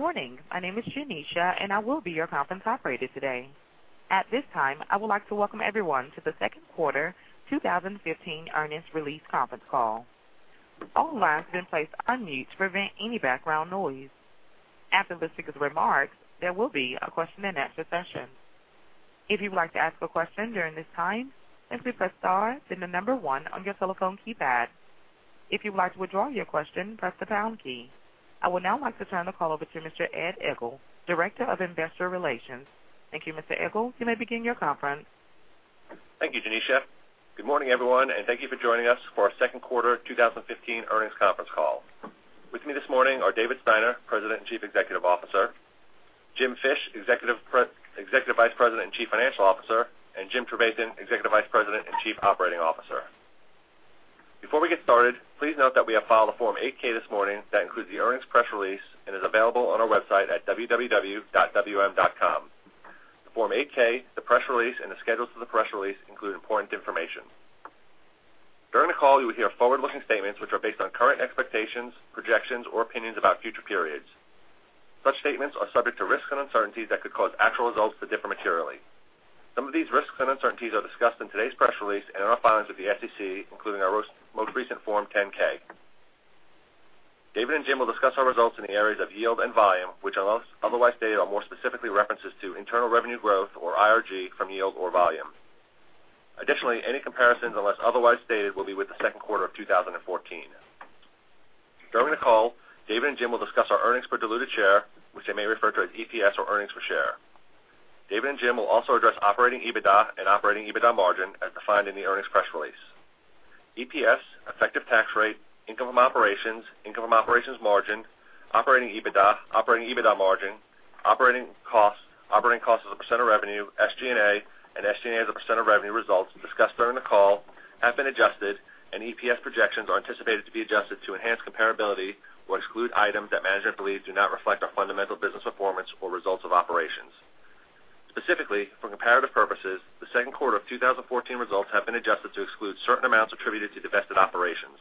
Good morning. My name is Janisha, and I will be your conference operator today. At this time, I would like to welcome everyone to the second quarter 2015 earnings release conference call. All lines have been placed on mute to prevent any background noise. After the speaker's remarks, there will be a question-and-answer session. If you would like to ask a question during this time, simply press star, then the number one on your telephone keypad. If you would like to withdraw your question, press the pound key. I would now like to turn the call over to Mr. Ed Egl, Director of Investor Relations. Thank you, Mr. Egl. You may begin your conference. Thank you, Janisha. Good morning, everyone, and thank you for joining us for our second quarter 2015 earnings conference call. With me this morning are David Steiner, President and Chief Executive Officer, Jim Fish, Executive Vice President and Chief Financial Officer, and Jim Trevathan, Executive Vice President and Chief Operating Officer. Before we get started, please note that we have filed a Form 8-K this morning that includes the earnings press release and is available on our website at www.wm.com. The Form 8-K, the press release, and the schedules to the press release include important information. During the call, you will hear forward-looking statements which are based on current expectations, projections, or opinions about future periods. Such statements are subject to risks and uncertainties that could cause actual results to differ materially. Some of these risks and uncertainties are discussed in today's press release and in our filings with the SEC, including our most recent Form 10-K. David and Jim will discuss our results in the areas of yield and volume, which unless otherwise stated, are more specifically references to internal revenue growth, or IRG, from yield or volume. Jim will also address operating EBITDA and operating EBITDA margin as defined in the earnings press release. Additionally, any comparisons, unless otherwise stated, will be with the second quarter of 2014. During the call, David and Jim will discuss our earnings per diluted share, which they may refer to as EPS or earnings per share. EPS, effective tax rate, income from operations, income from operations margin, operating EBITDA, operating EBITDA margin, operating costs, operating costs as a percent of revenue, SG&A, and SG&A as a percent of revenue results discussed during the call have been adjusted, and EPS projections are anticipated to be adjusted to enhance comparability or exclude items that management believes do not reflect our fundamental business performance or results of operations. Specifically, for comparative purposes, the second quarter of 2014 results have been adjusted to exclude certain amounts attributed to divested operations.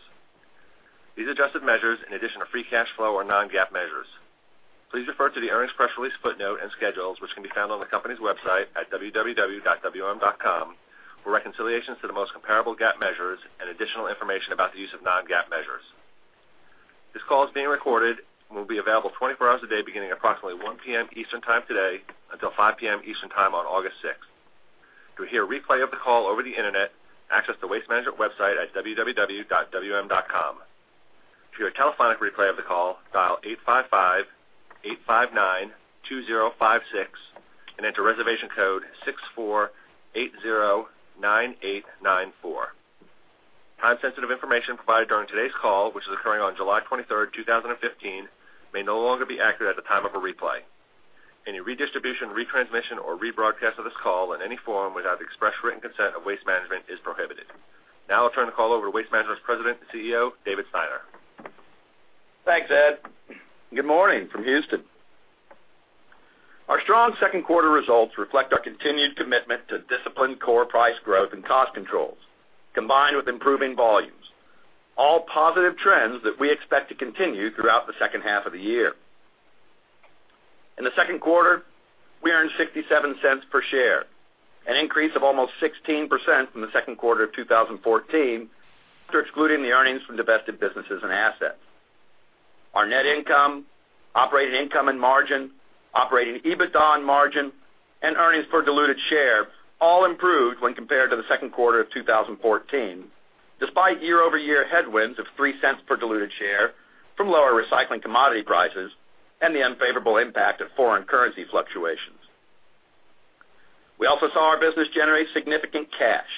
These adjusted measures, in addition to free cash flow, are non-GAAP measures. Please refer to the earnings press release footnote and schedules, which can be found on the company's website at www.wm.com, for reconciliations to the most comparable GAAP measures and additional information about the use of non-GAAP measures. This call is being recorded and will be available 24 hours a day beginning at approximately 1:00 P.M. Eastern Time today until 5:00 P.M. Eastern Time on August 6th. To hear a replay of the call over the internet, access the Waste Management website at www.wm.com. To hear a telephonic replay of the call, dial 855-859-2056 and enter reservation code 64809894. Time-sensitive information provided during today's call, which is occurring on July 23rd, 2015, may no longer be accurate at the time of a replay. Any redistribution, retransmission, or rebroadcast of this call in any form without the express written consent of Waste Management is prohibited. I'll turn the call over to Waste Management's President and CEO, David Steiner. Thanks, Ed. Good morning from Houston. Our strong second quarter results reflect our continued commitment to disciplined core price growth and cost controls, combined with improving volumes, all positive trends that we expect to continue throughout the second half of the year. In the second quarter, we earned $0.67 per share, an increase of almost 16% from the second quarter of 2014 after excluding the earnings from divested businesses and assets. Our net income, operating income and margin, operating EBITDA and margin, and earnings per diluted share all improved when compared to the second quarter of 2014, despite year-over-year headwinds of $0.03 per diluted share from lower recycling commodity prices and the unfavorable impact of foreign currency fluctuations. We also saw our business generate significant cash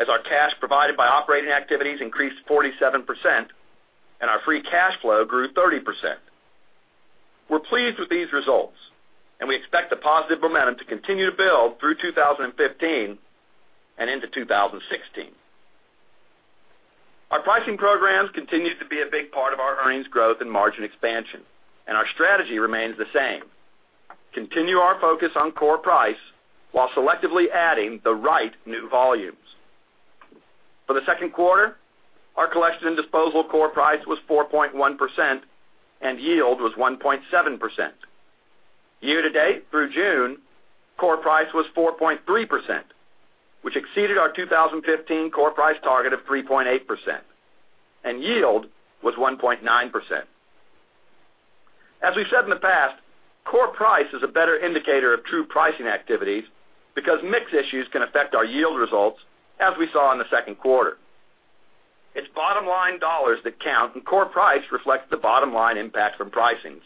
as our cash provided by operating activities increased 47% and our free cash flow grew 30%. We're pleased with these results, we expect the positive momentum to continue to build through 2015 and into 2016. Our pricing programs continue to be a big part of our earnings growth and margin expansion, our strategy remains the same: Continue our focus on core price while selectively adding the right new volumes. For the second quarter, our collection and disposal core price was 4.1% and yield was 1.7%. Year-to-date through June, core price was 4.3%, which exceeded our 2015 core price target of 3.8%, and yield was 1.9%. As we've said in the past, core price is a better indicator of true pricing activities because mix issues can affect our yield results, as we saw in the second quarter. It's bottom-line dollars that count, core price reflects the bottom-line impact from pricing.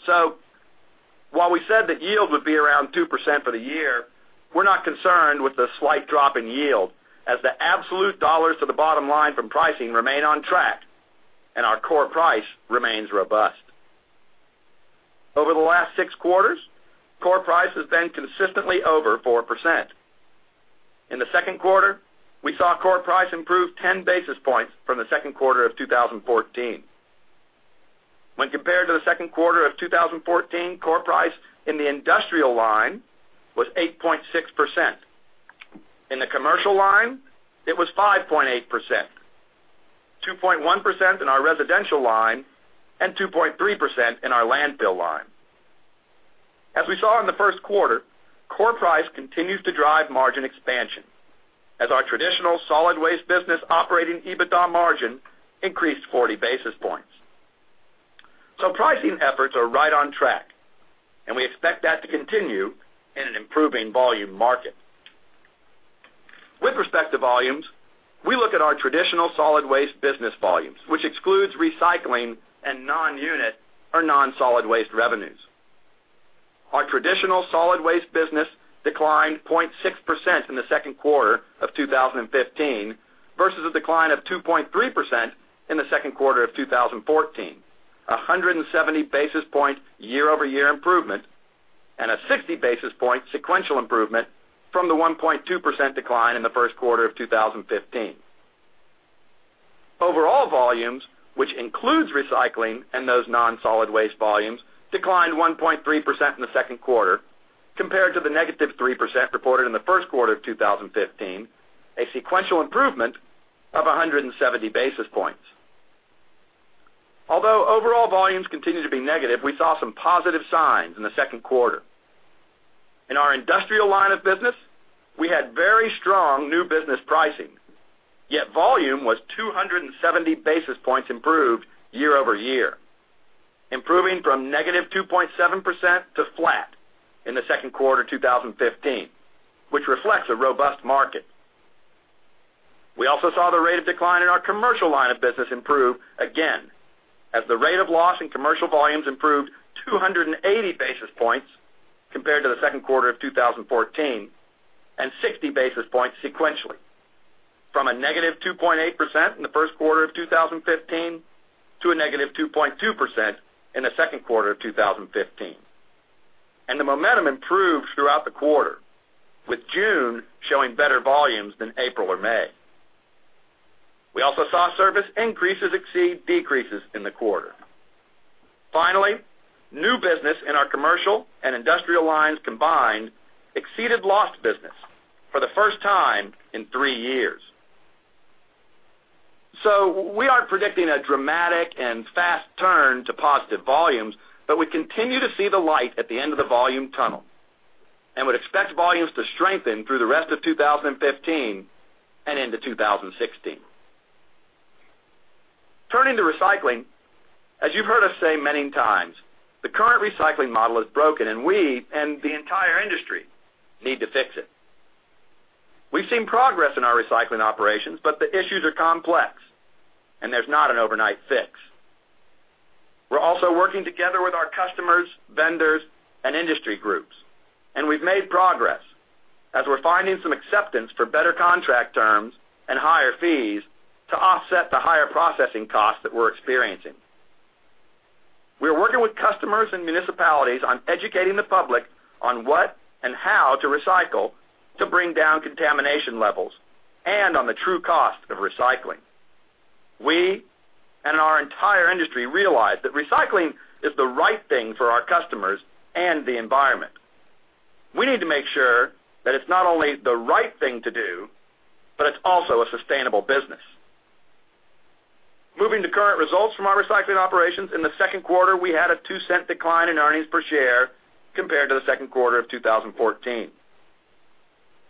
While we said that yield would be around 2% for the year, we're not concerned with the slight drop in yield as the absolute dollars to the bottom line from pricing remain on track and our core price remains robust. Over the last six quarters, core price has been consistently over 4%. In the second quarter, we saw core price improve 10 basis points from the second quarter of 2014. When compared to the second quarter of 2014, core price in the industrial line was 8.6%. In the commercial line, it was 5.8%. 2.1% in our residential line and 2.3% in our landfill line. As we saw in the first quarter, core price continues to drive margin expansion as our traditional solid waste business operating EBITDA margin increased 40 basis points. Pricing efforts are right on track, we expect that to continue in an improving volume market. With respect to volumes, we look at our traditional solid waste business volumes, which excludes recycling and non-unit or non-solid waste revenues. Our traditional solid waste business declined 0.6% in the second quarter of 2015 versus a decline of 2.3% in the second quarter of 2014, 170 basis point year-over-year improvement, and a 60 basis point sequential improvement from the 1.2% decline in the first quarter of 2015. Overall volumes, which includes recycling and those non-solid waste volumes, declined 1.3% in the second quarter compared to the -3% reported in the first quarter of 2015, a sequential improvement of 170 basis points. Although overall volumes continue to be negative, we saw some positive signs in the second quarter. In our industrial line of business, we had very strong new business pricing, yet volume was 270 basis points improved year-over-year, improving from -2.7% to flat in the second quarter 2015, which reflects a robust market. We also saw the rate of decline in our commercial line of business improve again, as the rate of loss in commercial volumes improved 280 basis points compared to the second quarter of 2014, and 60 basis points sequentially from a -2.8% in the first quarter of 2015 to a -2.2% in the second quarter of 2015. The momentum improved throughout the quarter, with June showing better volumes than April or May. We also saw service increases exceed decreases in the quarter. Finally, new business in our commercial and industrial lines combined exceeded lost business for the first time in three years. We aren't predicting a dramatic and fast turn to positive volumes, but we continue to see the light at the end of the volume tunnel and would expect volumes to strengthen through the rest of 2015 and into 2016. Turning to recycling, as you've heard us say many times, the current recycling model is broken and we and the entire industry need to fix it. We've seen progress in our recycling operations, but the issues are complex and there's not an overnight fix. We're also working together with our customers, vendors, and industry groups, and we've made progress as we're finding some acceptance for better contract terms and higher fees to offset the higher processing costs that we're experiencing. We are working with customers and municipalities on educating the public on what and how to recycle to bring down contamination levels and on the true cost of recycling. We and our entire industry realize that recycling is the right thing for our customers and the environment. We need to make sure that it's not only the right thing to do, but it's also a sustainable business. Moving to current results from our recycling operations, in the second quarter, we had a $0.02 decline in earnings per share compared to the second quarter of 2014.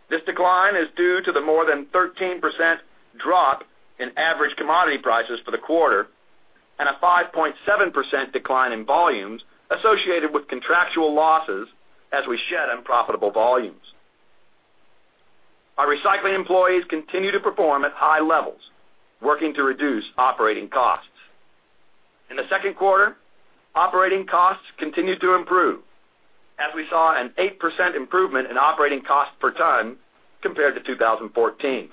This decline is due to the more than 13% drop in average commodity prices for the quarter and a 5.7% decline in volumes associated with contractual losses as we shed unprofitable volumes. Our recycling employees continue to perform at high levels, working to reduce operating costs. In the second quarter, operating costs continued to improve as we saw an 8% improvement in operating cost per ton compared to 2014.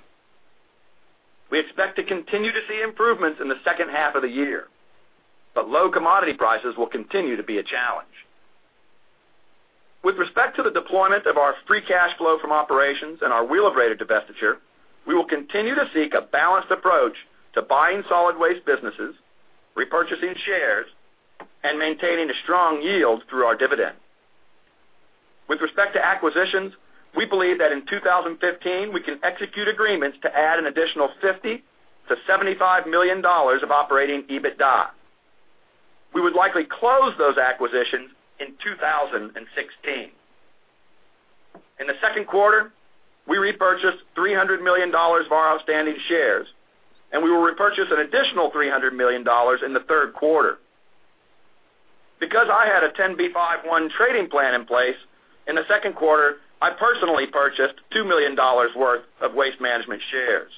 We expect to continue to see improvements in the second half of the year, low commodity prices will continue to be a challenge. With respect to the deployment of our free cash flow from operations and our Wheelabrator divestiture, we will continue to seek a balanced approach to buying solid waste businesses, repurchasing shares, and maintaining a strong yield through our dividend. With respect to acquisitions, we believe that in 2015, we can execute agreements to add an additional $50 million-$75 million of operating EBITDA. We would likely close those acquisitions in 2016. In the second quarter, we repurchased $300 million of our outstanding shares, and we will repurchase an additional $300 million in the third quarter. Because I had a 10b5-1 trading plan in place, in the second quarter, I personally purchased $2 million worth of Waste Management shares.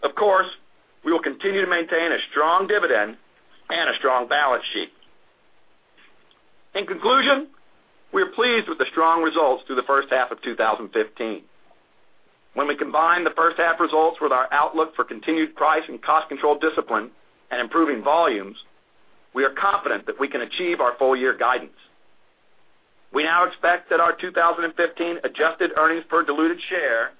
Of course, we will continue to maintain a strong dividend and a strong balance sheet. In conclusion, we are pleased with the strong results through the first half of 2015. When we combine the first half results with our outlook for continued price and cost control discipline and improving volumes, we are confident that we can achieve our full-year guidance. We now expect that our 2015 adjusted earnings per diluted share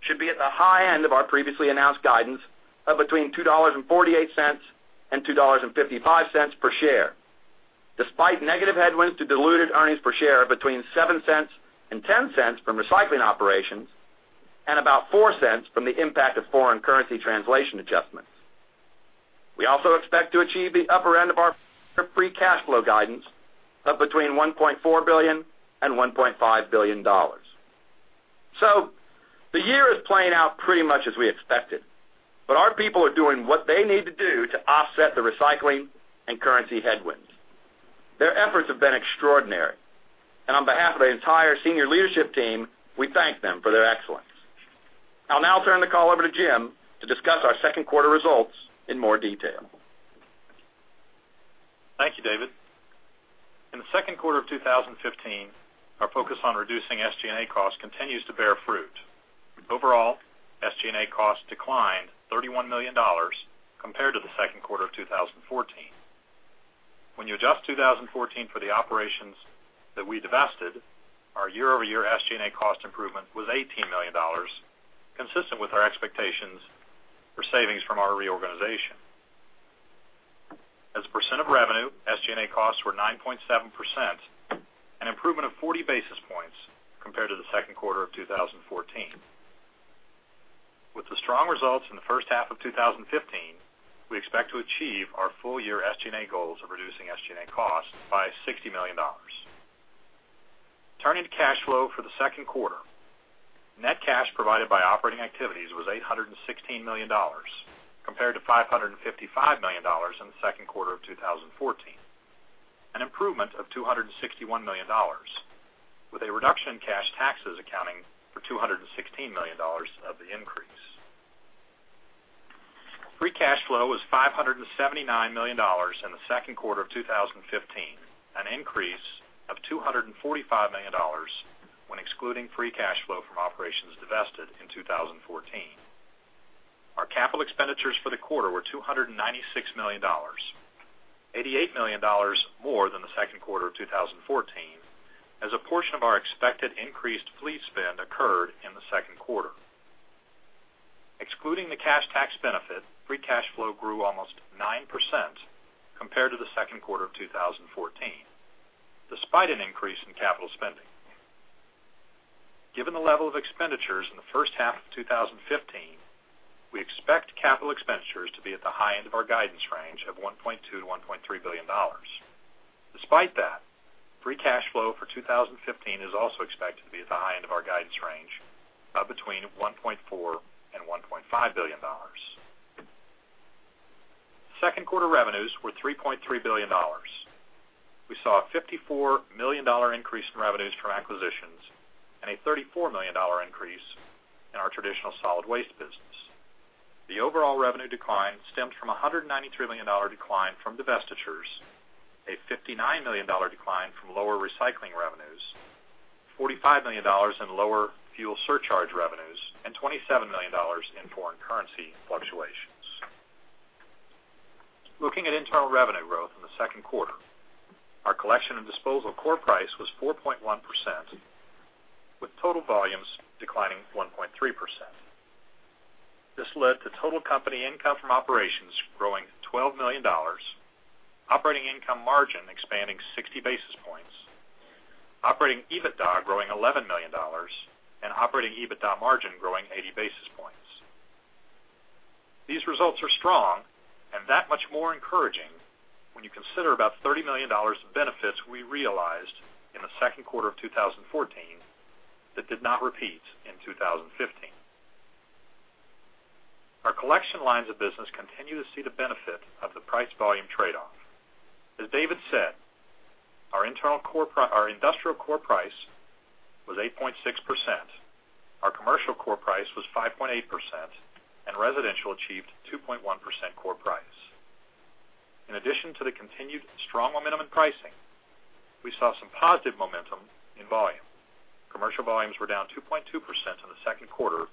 should be at the high end of our previously announced guidance of between $2.48 and $2.55 per share, despite negative headwinds to diluted earnings per share of between $0.07 and $0.10 from recycling operations and about $0.04 from the impact of foreign currency translation adjustments. We also expect to achieve the upper end of our free cash flow guidance of between $1.4 billion and $1.5 billion. The year is playing out pretty much as we expected, our people are doing what they need to do to offset the recycling and currency headwinds. Their efforts have been extraordinary, on behalf of the entire senior leadership team, we thank them for their excellence. I'll now turn the call over to Jim to discuss our second quarter results in more detail. Thank you, David. In the second quarter of 2015, our focus on reducing SG&A costs continues to bear fruit. Overall, SG&A costs declined $31 million compared to the second quarter of 2014. When you adjust 2014 for the operations that we divested, our year-over-year SG&A cost improvement was $18 million, consistent with our expectations for savings from our reorganization. As a percent of revenue, SG&A costs were 9.7%, an improvement of 40 basis points compared to the second quarter of 2014. With the strong results in the first half of 2015, we expect to achieve our full-year SG&A goals of reducing SG&A costs by $60 million. Turning to cash flow for the second quarter. Net cash provided by operating activities was $816 million, compared to $555 million in the second quarter of 2014, an improvement of $261 million with a reduction in cash taxes accounting for $216 million of the increase. Free cash flow was $579 million in the second quarter of 2015, an increase of $245 million when excluding free cash flow from operations divested in 2014. Our capital expenditures for the quarter were $296 million, $88 million more than the second quarter of 2014, as a portion of our expected increased fleet spend occurred in the second quarter. Excluding the cash tax benefit, free cash flow grew almost 9% compared to the second quarter of 2014, despite an increase in capital spending. Given the level of expenditures in the first half of 2015, we expect capital expenditures to be at the high end of our guidance range of $1.2 billion-$1.3 billion. Despite that, free cash flow for 2015 is also expected to be at the high end of our guidance range of between $1.4 billion and $1.5 billion. Second quarter revenues were $3.3 billion. We saw a $54 million increase in revenues from acquisitions and a $34 million increase in our traditional solid waste business. The overall revenue decline stemmed from $193 million decline from divestitures, a $59 million decline from lower recycling revenues, $45 million in lower fuel surcharge revenues, and $27 million in foreign currency fluctuations. Looking at internal revenue growth in the second quarter, our collection and disposal core price was 4.1%, with total volumes declining 1.3%. This led to total company income from operations growing $12 million, operating income margin expanding 60 basis points, operating EBITDA growing $11 million, and operating EBITDA margin growing 80 basis points. These results are strong and that much more encouraging when you consider about $30 million of benefits we realized in the second quarter of 2014 that did not repeat in 2015. Our collection lines of business continue to see the benefit of the price volume trade-off. As David said, our industrial core price was 8.6%, our commercial core price was 5.8%, and residential achieved 2.1% core price. In addition to the continued strong momentum in pricing, we saw some positive momentum in volume. Commercial volumes were down 2.2% in the second quarter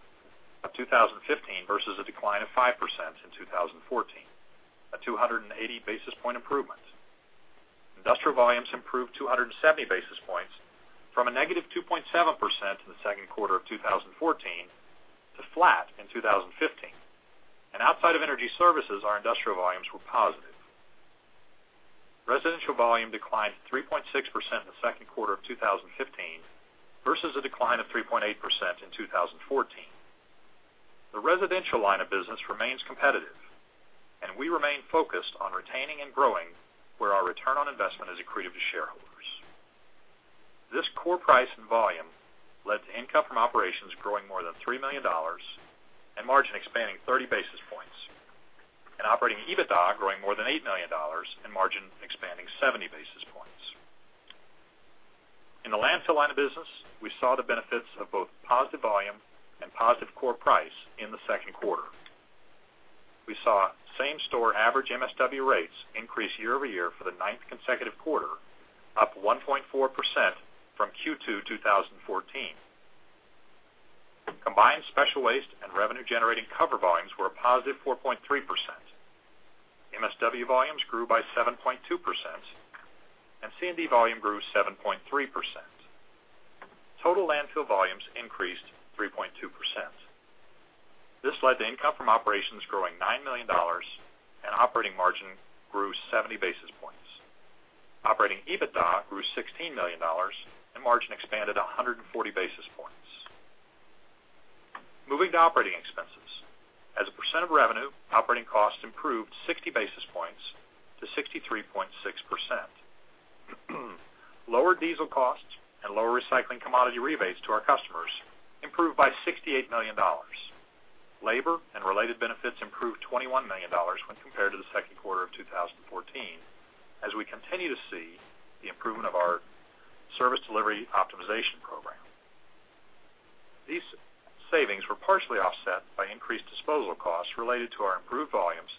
of 2015 versus a decline of 5% in 2014, a 280 basis point improvement. Industrial volumes improved 270 basis points from a negative 2.7% in the second quarter of 2014 to flat in 2015. Outside of energy services, our industrial volumes were positive. Residential volume declined 3.6% in the second quarter of 2015 versus a decline of 3.8% in 2014. The residential line of business remains competitive, and we remain focused on retaining and growing where our return on investment is accretive to shareholders. This core price and volume led to income from operations growing more than $3 million and margin expanding 30 basis points, and operating EBITDA growing more than $8 million and margin expanding 70 basis points. In the landfill line of business, we saw the benefits of both positive volume and positive core price in the second quarter. We saw same store average MSW rates increase year-over-year for the ninth consecutive quarter, up 1.4% from Q2 2014. Combined special waste and revenue-generating cover volumes were a positive 4.3%. MSW volumes grew by 7.2%, and C&D volume grew 7.3%. Total landfill volumes increased 3.2%. This led to income from operations growing $9 million. Operating margin grew 70 basis points. Operating EBITDA grew $16 million. Margin expanded 140 basis points. Moving to operating expenses. As a percent of revenue, operating costs improved 60 basis points to 63.6%. Lower diesel costs and lower recycling commodity rebates to our customers improved by $68 million. Labor and related benefits improved $21 million when compared to the second quarter of 2014, as we continue to see the improvement of our Service Delivery Optimization program. These savings were partially offset by increased disposal costs related to our improved volumes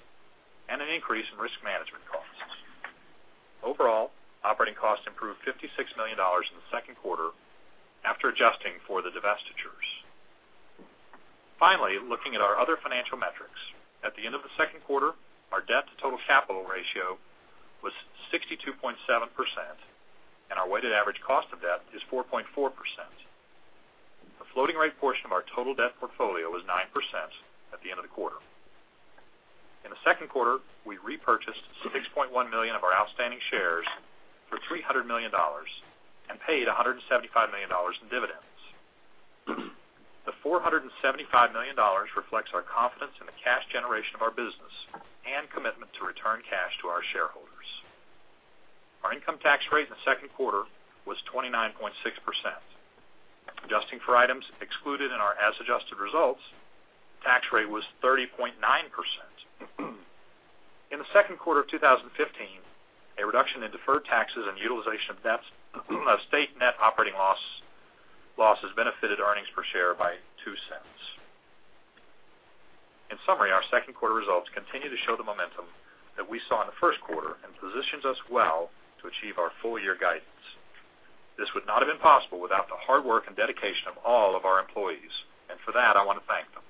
and an increase in risk management costs. Overall, operating costs improved $56 million in the second quarter after adjusting for the divestitures. Finally, looking at our other financial metrics. At the end of the second quarter, our debt-to-total capital ratio was 62.7%. Our weighted average cost of debt is 4.4%. The floating rate portion of our total debt portfolio was 9% at the end of the quarter. In the second quarter, we repurchased 6.1 million of our outstanding shares for $300 million and paid $175 million in dividends. The $475 million reflects our confidence in the cash generation of our business and commitment to return cash to our shareholders. Our income tax rate in the second quarter was 29.6%. Adjusting for items excluded in our as-adjusted results, tax rate was 30.9%. In the second quarter of 2015, a reduction in deferred taxes and utilization of state net operating losses benefited earnings per share by $0.02. In summary, our second quarter results continue to show the momentum that we saw in the first quarter and positions us well to achieve our full-year guidance. This would not have been possible without the hard work and dedication of all of our employees. For that, I want to thank them.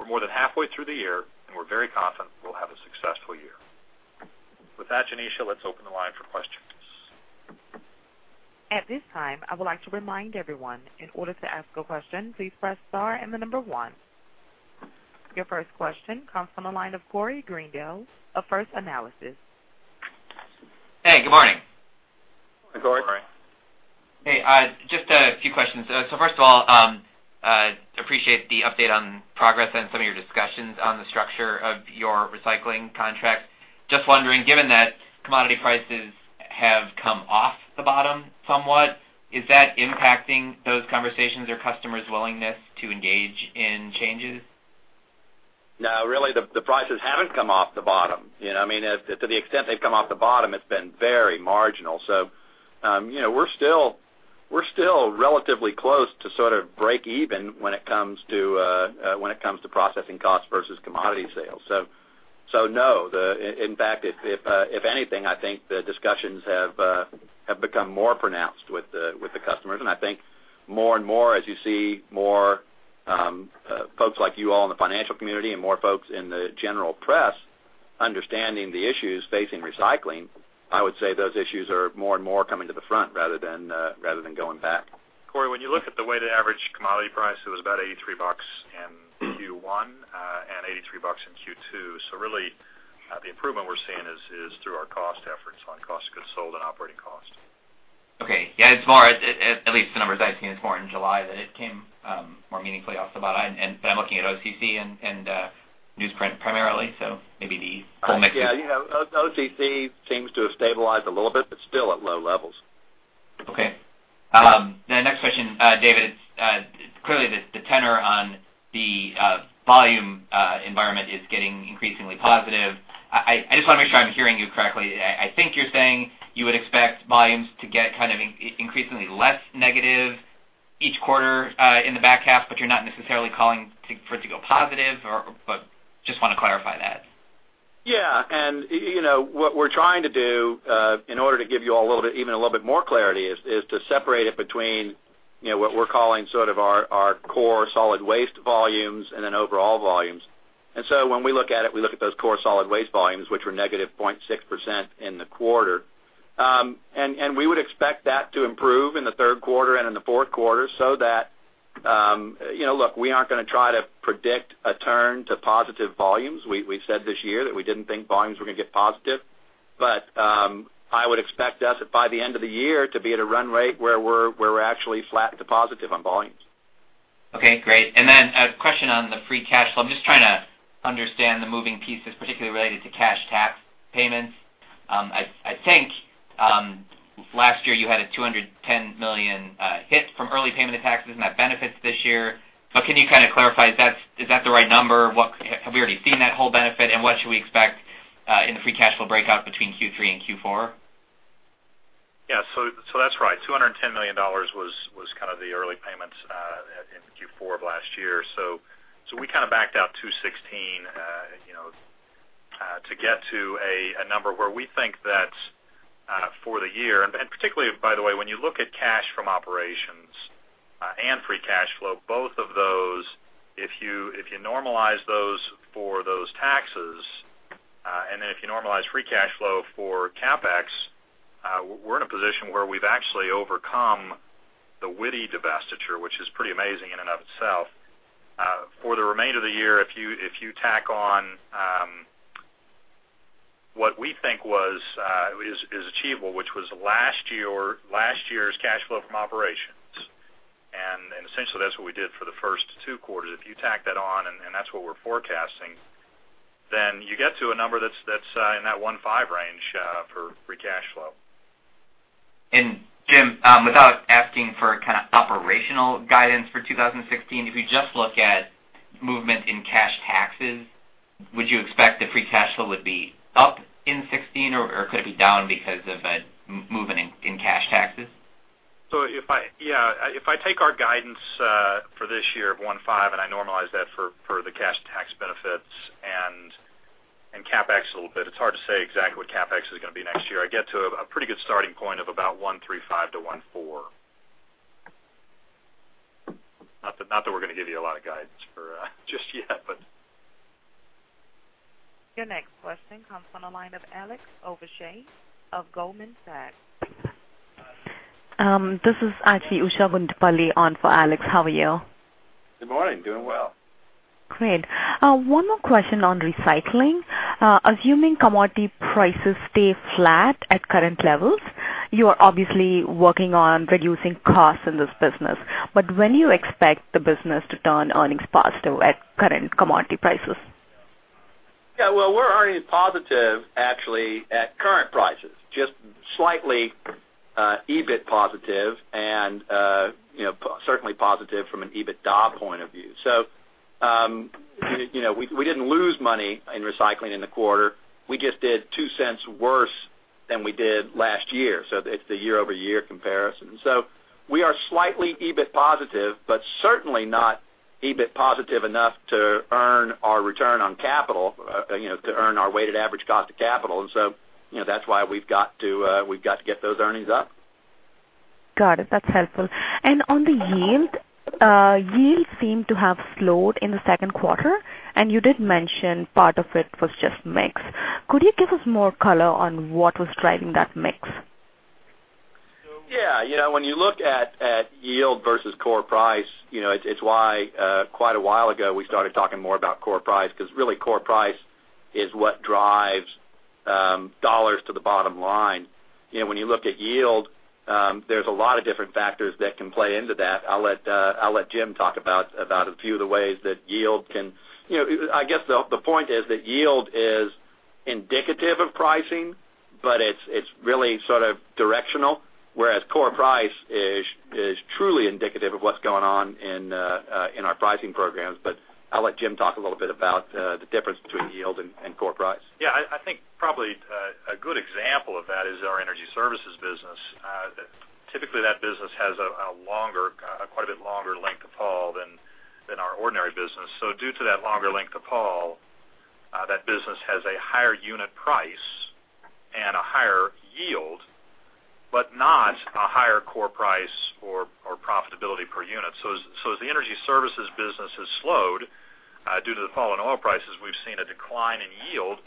We're more than halfway through the year. We're very confident we'll have a successful year. With that, Janisha, let's open the line for questions. At this time, I would like to remind everyone, in order to ask a question, please press star and the number one. Your first question comes from the line of Corey Greendale of First Analysis. Hey, good morning. Good morning. Hey, just a few questions. First of all, appreciate the update on progress and some of your discussions on the structure of your recycling contracts. Just wondering, given that commodity prices have come off the bottom somewhat, is that impacting those conversations or customers' willingness to engage in changes? No, really, the prices haven't come off the bottom. To the extent they've come off the bottom, it's been very marginal. We're still relatively close to sort of break even when it comes to processing cost versus commodity sales. No. In fact, if anything, I think the discussions have become more pronounced with the customers. I think more and more as you see more folks like you all in the financial community and more folks in the general press understanding the issues facing recycling, I would say those issues are more and more coming to the front rather than going back. Corey, when you look at the weighted average commodity price, it was about $83 in Q1 and $83 in Q2. Really, the improvement we're seeing is through our cost efforts on cost of goods sold and operating costs. Okay. Yeah, at least the numbers I've seen, it's more in July that it came more meaningfully off the bottom. I'm looking at OCC and newsprint primarily, maybe the whole mix. Yeah. OCC seems to have stabilized a little bit, still at low levels. Okay. The next question, David, clearly the tenor on the volume environment is getting increasingly positive. I just want to make sure I'm hearing you correctly. I think you're saying you would expect volumes to get kind of increasingly less negative each quarter in the back half, but you're not necessarily calling for it to go positive, just want to clarify that. What we're trying to do, in order to give you all even a little bit more clarity, is to separate it between what we're calling sort of our core solid waste volumes and then overall volumes. When we look at it, we look at those core solid waste volumes, which were negative 0.6% in the quarter. We would expect that to improve in the third quarter and in the fourth quarter so that Look, we aren't going to try to predict a turn to positive volumes. We said this year that we didn't think volumes were going to get positive. I would expect us by the end of the year to be at a run rate where we're actually flat to positive on volumes. Okay, great. A question on the free cash flow. I'm just trying to understand the moving pieces, particularly related to cash tax payments. I think last year you had a $210 million hit from early payment of taxes and that benefits this year. Can you kind of clarify, is that the right number? Have we already seen that whole benefit, and what should we expect in the free cash flow breakout between Q3 and Q4? That's right, $210 million was kind of the early payments in Q4 of last year. We kind of backed out 216, To get to a number where we think that for the year, and particularly, by the way, when you look at cash from operations and free cash flow, both of those, if you normalize those for those taxes, and then if you normalize free cash flow for CapEx, we're in a position where we've actually overcome the Wheelabrator divestiture, which is pretty amazing in and of itself. For the remainder of the year, if you tack on what we think is achievable, which was last year's cash flow from operations, and essentially that's what we did for the first two quarters. If you tack that on, and that's what we're forecasting, then you get to a number that's in that $1.5 range for free cash flow. Jim, without asking for kind of operational guidance for 2016, if you just look at movement in cash taxes, would you expect the free cash flow would be up in 2016 or could it be down because of a movement in cash taxes? If I take our guidance for this year of $1.5 billion and I normalize that for the cash tax benefits and CapEx a little bit, it's hard to say exactly what CapEx is going to be next year. I get to a pretty good starting point of about $1.35 billion-$1.4 billion. Not that we're going to give you a lot of guidance just yet but Your next question comes from the line of Alex Ovshey of Goldman Sachs. This is actually Usha Bundelapally on for Alex. How are you? Good morning. Doing well. Great. One more question on recycling. Assuming commodity prices stay flat at current levels, you are obviously working on reducing costs in this business. When you expect the business to turn earnings positive at current commodity prices? Yeah. Well, we're earning positive actually at current prices, just slightly EBIT positive and certainly positive from an EBITDA point of view. We didn't lose money in recycling in the quarter. We just did $0.02 worse than we did last year. It's the year-over-year comparison. We are slightly EBIT positive, but certainly not EBIT positive enough to earn our return on capital, to earn our weighted average cost of capital. That's why we've got to get those earnings up. Got it. That's helpful. On the yield, yields seem to have slowed in the second quarter, and you did mention part of it was just mix. Could you give us more color on what was driving that mix? Yeah. When you look at yield versus core price, it's why quite a while ago we started talking more about core price because really core price is what drives dollars to the bottom line. When you look at yield, there's a lot of different factors that can play into that. I guess the point is that yield is indicative of pricing, but it's really sort of directional, whereas core price is truly indicative of what's going on in our pricing programs. I'll let Jim talk a little bit about the difference between yield and core price. Yeah, I think probably a good example of that is our energy services business. Typically, that business has a quite a bit longer length of haul than our ordinary business. Due to that longer length of haul, that business has a higher unit price and a higher yield, but not a higher core price or profitability per unit. As the energy services business has slowed due to the fall in oil prices, we've seen a decline in yield,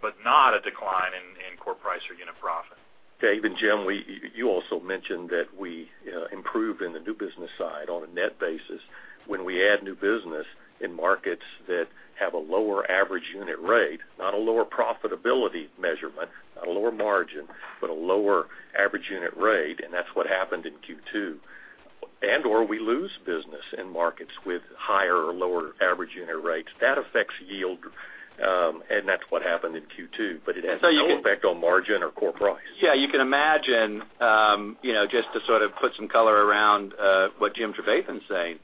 but not a decline in core price or unit profit. Dave and Jim, you also mentioned that we improved in the new business side on a net basis. When we add new business in markets that have a lower average unit rate, not a lower profitability measurement, not a lower margin, but a lower average unit rate, and that's what happened in Q2, and/or we lose business in markets with higher or lower average unit rates. That affects yield, and that's what happened in Q2. It has no effect on margin or core price. Yeah, you can imagine, just to sort of put some color around what Jim Trevathan's saying.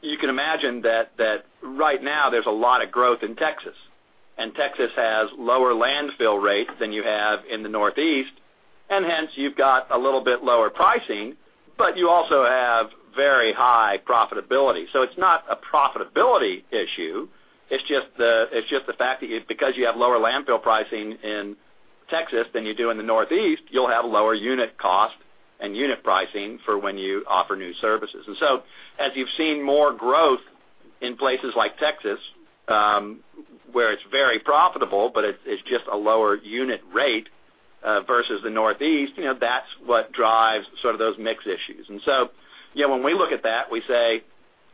You can imagine that right now there's a lot of growth in Texas, and Texas has lower landfill rates than you have in the Northeast, and hence you've got a little bit lower pricing, but you also have very high profitability. It's not a profitability issue, it's just the fact that because you have lower landfill pricing in Texas than you do in the Northeast, you'll have lower unit cost and unit pricing for when you offer new services. As you've seen more growth in places like Texas, where it's very profitable, but it's just a lower unit rate versus the Northeast, that's what drives sort of those mix issues. When we look at that, we say,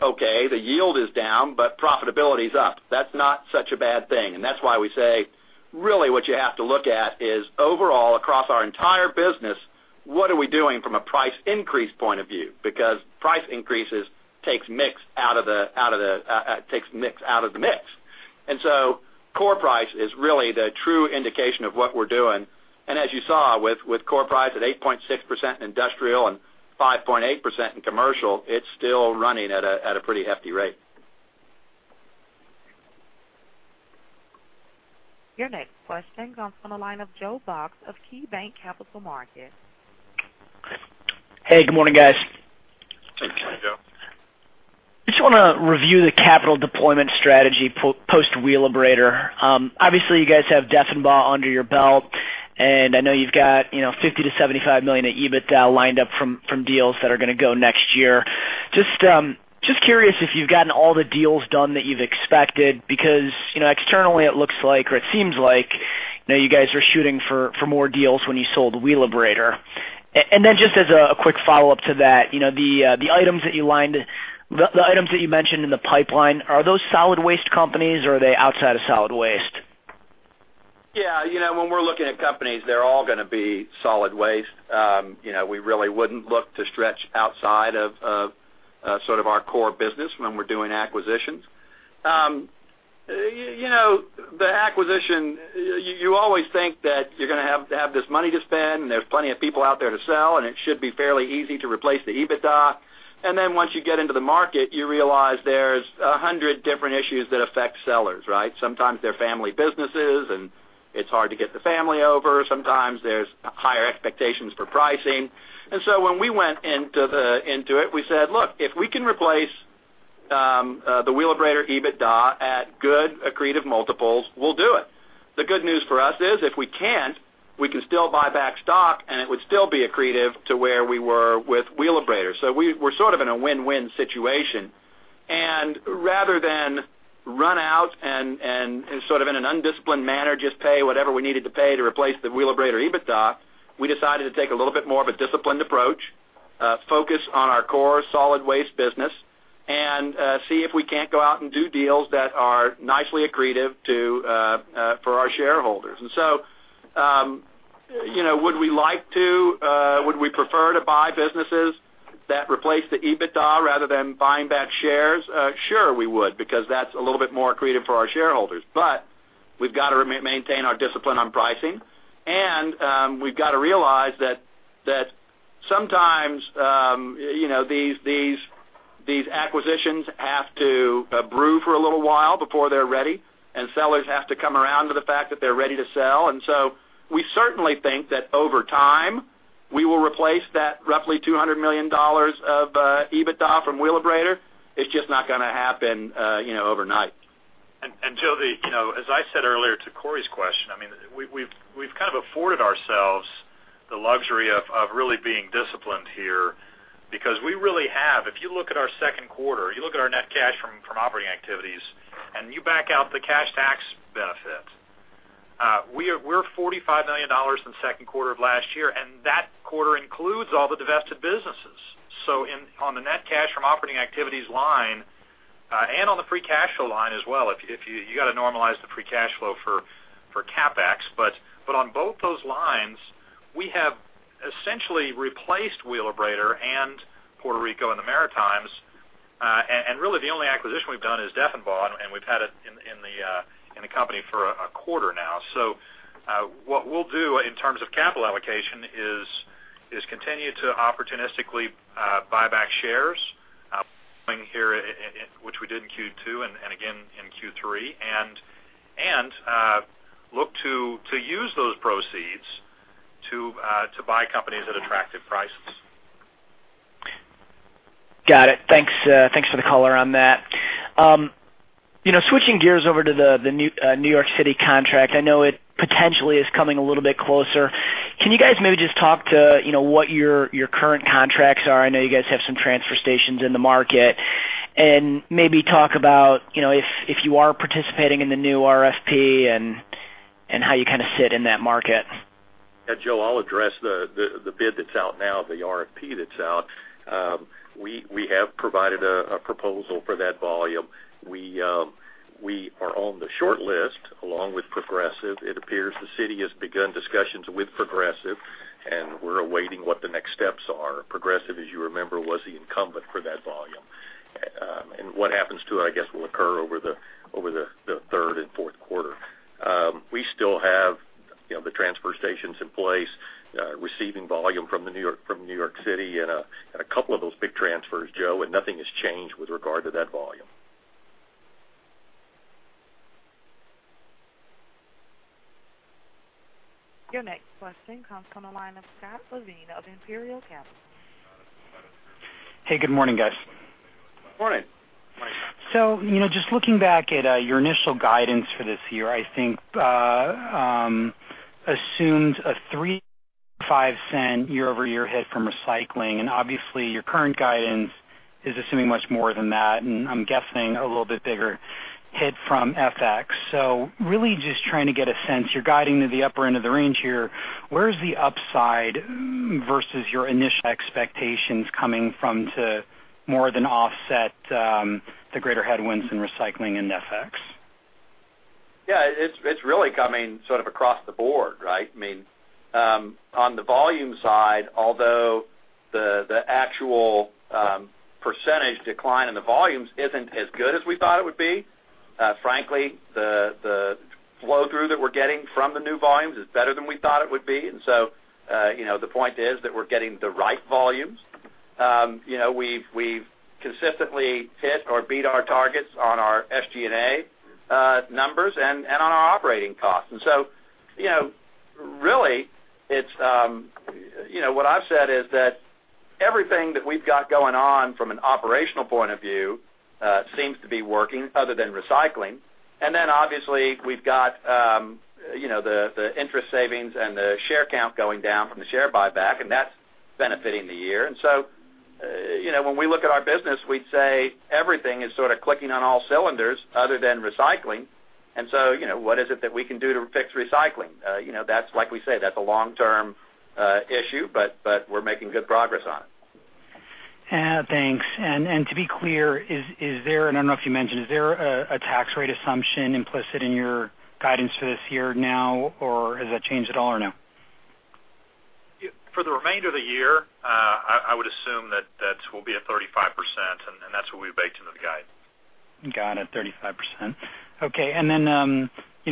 "Okay, the yield is down, but profitability is up." That's not such a bad thing. That's why we say, really what you have to look at is overall across our entire business, what are we doing from a price increase point of view? Because price increases takes mix out of the mix. Core price is really the true indication of what we're doing. As you saw with core price at 8.6% in industrial and 5.8% in commercial, it's still running at a pretty hefty rate. Your next question comes from the line of Joe Box of KeyBanc Capital Markets. Hey, good morning, guys. Just want to review the capital deployment strategy post Wheelabrator. Obviously, you guys have Deffenbaugh under your belt, I know you've got $50 million-$75 million of EBITDA lined up from deals that are going to go next year. Just curious if you've gotten all the deals done that you've expected, because externally it looks like, or it seems like you guys are shooting for more deals when you sold Wheelabrator. Just as a quick follow-up to that, the items that you mentioned in the pipeline, are those solid waste companies, or are they outside of solid waste? Yeah. When we're looking at companies, they're all going to be solid waste. We really wouldn't look to stretch outside of sort of our core business when we're doing acquisitions. The acquisition, you always think that you're going to have this money to spend, and there's plenty of people out there to sell, and it should be fairly easy to replace the EBITDA. Then once you get into the market, you realize there's 100 different issues that affect sellers, right? Sometimes they're family businesses, and it's hard to get the family over. Sometimes there's higher expectations for pricing. So when we went into it, we said, "Look, if we can replace the Wheelabrator EBITDA at good accretive multiples, we'll do it." The good news for us is if we can't, we can still buy back stock, and it would still be accretive to where we were with Wheelabrator. We're sort of in a win-win situation. Rather than run out and sort of in an undisciplined manner, just pay whatever we needed to pay to replace the Wheelabrator EBITDA, we decided to take a little bit more of a disciplined approach, focus on our core solid waste business, and see if we can't go out and do deals that are nicely accretive for our shareholders. Would we prefer to buy businesses that replace the EBITDA rather than buying back shares? Sure, we would, because that's a little bit more accretive for our shareholders. We've got to maintain our discipline on pricing, and we've got to realize that sometimes these acquisitions have to brew for a little while before they're ready, and sellers have to come around to the fact that they're ready to sell. We certainly think that over time, we will replace that roughly $200 million of EBITDA from Wheelabrator. It's just not going to happen overnight. Joe, as I said earlier to Corey's question, we've kind of afforded ourselves the luxury of really being disciplined here because we really have. If you look at our second quarter, you look at our net cash from operating activities, and you back out the cash tax benefit, we're $45 million in the second quarter of last year, and that quarter includes all the divested businesses. On the net cash from operating activities line and on the free cash flow line as well, you got to normalize the free cash flow for CapEx. On both those lines, we have essentially replaced Wheelabrator and Puerto Rico and the Maritimes. Really the only acquisition we've done is Deffenbaugh, and we've had it in the company for a quarter now. What we'll do in terms of capital allocation is continue to opportunistically buy back shares here, which we did in Q2 and again in Q3, and look to use those proceeds to buy companies at attractive prices. Got it. Thanks for the color on that. Switching gears over to the New York City contract, I know it potentially is coming a little bit closer. Can you guys maybe just talk to what your current contracts are? I know you guys have some transfer stations in the market. Maybe talk about if you are participating in the new RFP and how you kind of sit in that market. Yeah, Joe, I'll address the bid that's out now, the RFP that's out. We have provided a proposal for that volume. We are on the short list along with Progressive. It appears the city has begun discussions with Progressive, and we're awaiting what the next steps are. Progressive, as you remember, was the incumbent for that volume. What happens to it, I guess, will occur over the third and fourth quarter. We still have the transfer stations in place, receiving volume from New York City and a couple of those big transfers, Joe, and nothing has changed with regard to that volume. Your next question comes from the line of Scott Levine of Imperial Capital. Hey, good morning, guys. Morning. Just looking back at your initial guidance for this year, I think assumes a $0.03-$0.05 year-over-year hit from recycling, and obviously your current guidance is assuming much more than that, and I'm guessing a little bit bigger hit from FX. Really just trying to get a sense, you're guiding to the upper end of the range here. Where is the upside versus your initial expectations coming from to more than offset the greater headwinds in recycling and FX? Yeah, it's really coming sort of across the board, right? On the volume side, although the actual percentage decline in the volumes isn't as good as we thought it would be, frankly, the flow-through that we're getting from the new volumes is better than we thought it would be. The point is that we're getting the right volumes. We've consistently hit or beat our targets on our SG&A numbers and on our operating costs. Really, what I've said is that everything that we've got going on from an operational point of view seems to be working, other than recycling. Obviously we've got the interest savings and the share count going down from the share buyback, and that's benefiting the year. When we look at our business, we'd say everything is sort of clicking on all cylinders other than recycling, and so what is it that we can do to fix recycling? Like we say, that's a long-term issue, but we're making good progress on it. Thanks. To be clear, I don't know if you mentioned, is there a tax rate assumption implicit in your guidance for this year now or has that changed at all or no? For the remainder of the year, I would assume that will be at 35%. That's what we've baked into the guide. Got it, 35%. Okay,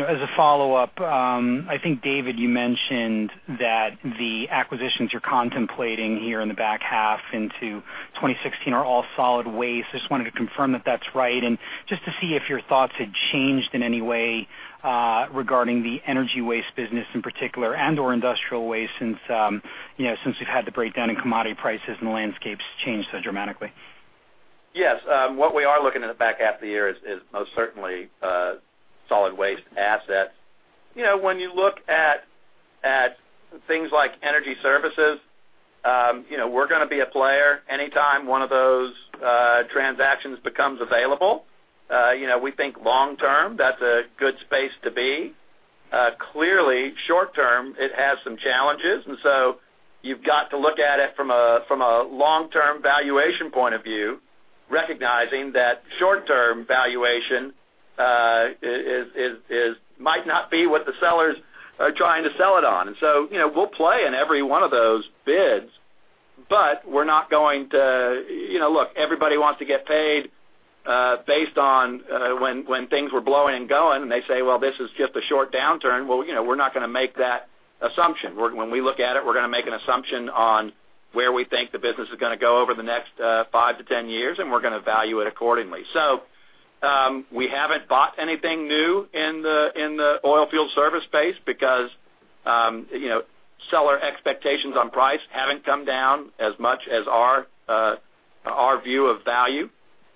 as a follow-up, I think, David, you mentioned that the acquisitions you're contemplating here in the back half into 2016 are all solid waste. Just wanted to confirm that that's right, just to see if your thoughts had changed in any way regarding the energy waste business in particular and/or industrial waste since we've had the breakdown in commodity prices and the landscape's changed so dramatically. Yes. What we are looking at in the back half of the year is most certainly solid waste assets. When you look at things like energy services, we're going to be a player anytime one of those transactions becomes available. We think long term, that's a good space to be. Clearly, short term, it has some challenges, so you've got to look at it from a long-term valuation point of view, recognizing that short-term valuation might not be what the sellers are trying to sell it on. So, we'll play in every one of those bids, we're not going to Look, everybody wants to get paid based on when things were blowing and going, and they say, "Well, this is just a short downturn." Well, we're not going to make that assumption. When we look at it, we're going to make an assumption on where we think the business is going to go over the next five to 10 years, and we're going to value it accordingly. We haven't bought anything new in the oilfield service space because seller expectations on price haven't come down as much as our view of value.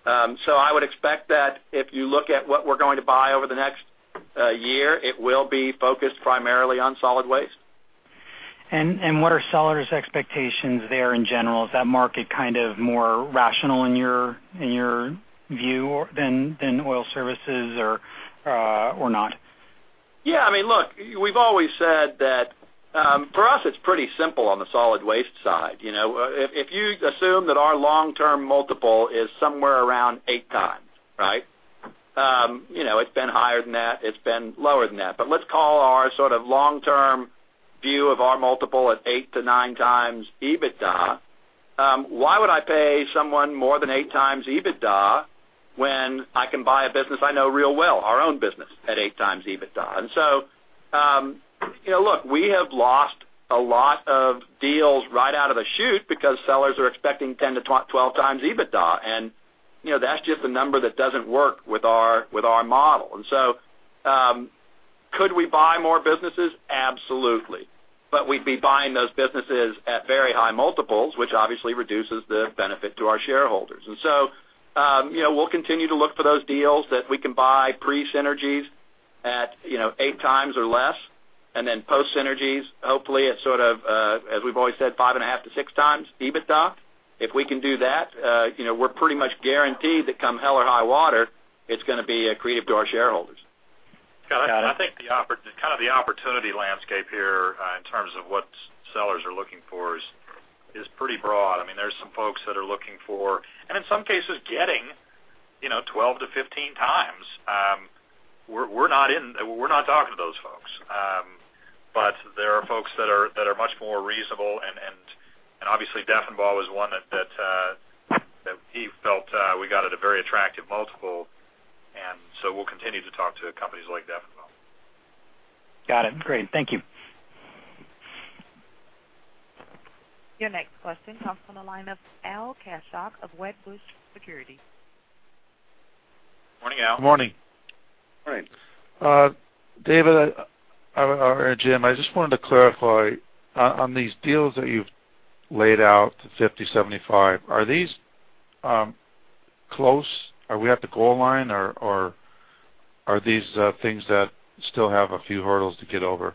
I would expect that if you look at what we're going to buy over the next year, it will be focused primarily on solid waste. What are sellers' expectations there in general? Is that market kind of more rational in your view than oil services or not? Look, we've always said that for us, it's pretty simple on the solid waste side. If you assume that our long-term multiple is somewhere around 8x, right? It's been higher than that, it's been lower than that, but let's call our sort of long-term view of our multiple at 8x to 9x EBITDA. Why would I pay someone more than 8x EBITDA when I can buy a business I know real well, our own business, at 8x EBITDA? Look, we have lost a lot of deals right out of the chute because sellers are expecting 10x to 12x EBITDA, and that's just a number that doesn't work with our model. Could we buy more businesses? Absolutely. We'd be buying those businesses at very high multiples, which obviously reduces the benefit to our shareholders. We'll continue to look for those deals that we can buy pre-synergies at 8x or less, then post synergies, hopefully at sort of, as we've always said, 5.5x to 6x EBITDA. If we can do that, we're pretty much guaranteed that come hell or high water, it's going to be accretive to our shareholders. Got it. I think the opportunity landscape here in terms of what sellers are looking for is pretty broad. There's some folks that are looking for, and in some cases getting, 12 to 15 times. We're not talking to those folks. There are folks that are much more reasonable, and obviously Deffenbaugh was one that he felt we got at a very attractive multiple. We'll continue to talk to companies like Deffenbaugh. Got it. Great. Thank you. Your next question comes from the line of Al Kaschalk of Wedbush Securities. Morning, Al. Good morning. Morning. David or Jim, I just wanted to clarify. On these deals that you've laid out to $50, $75, are these close? Are we at the goal line or are these things that still have a few hurdles to get over?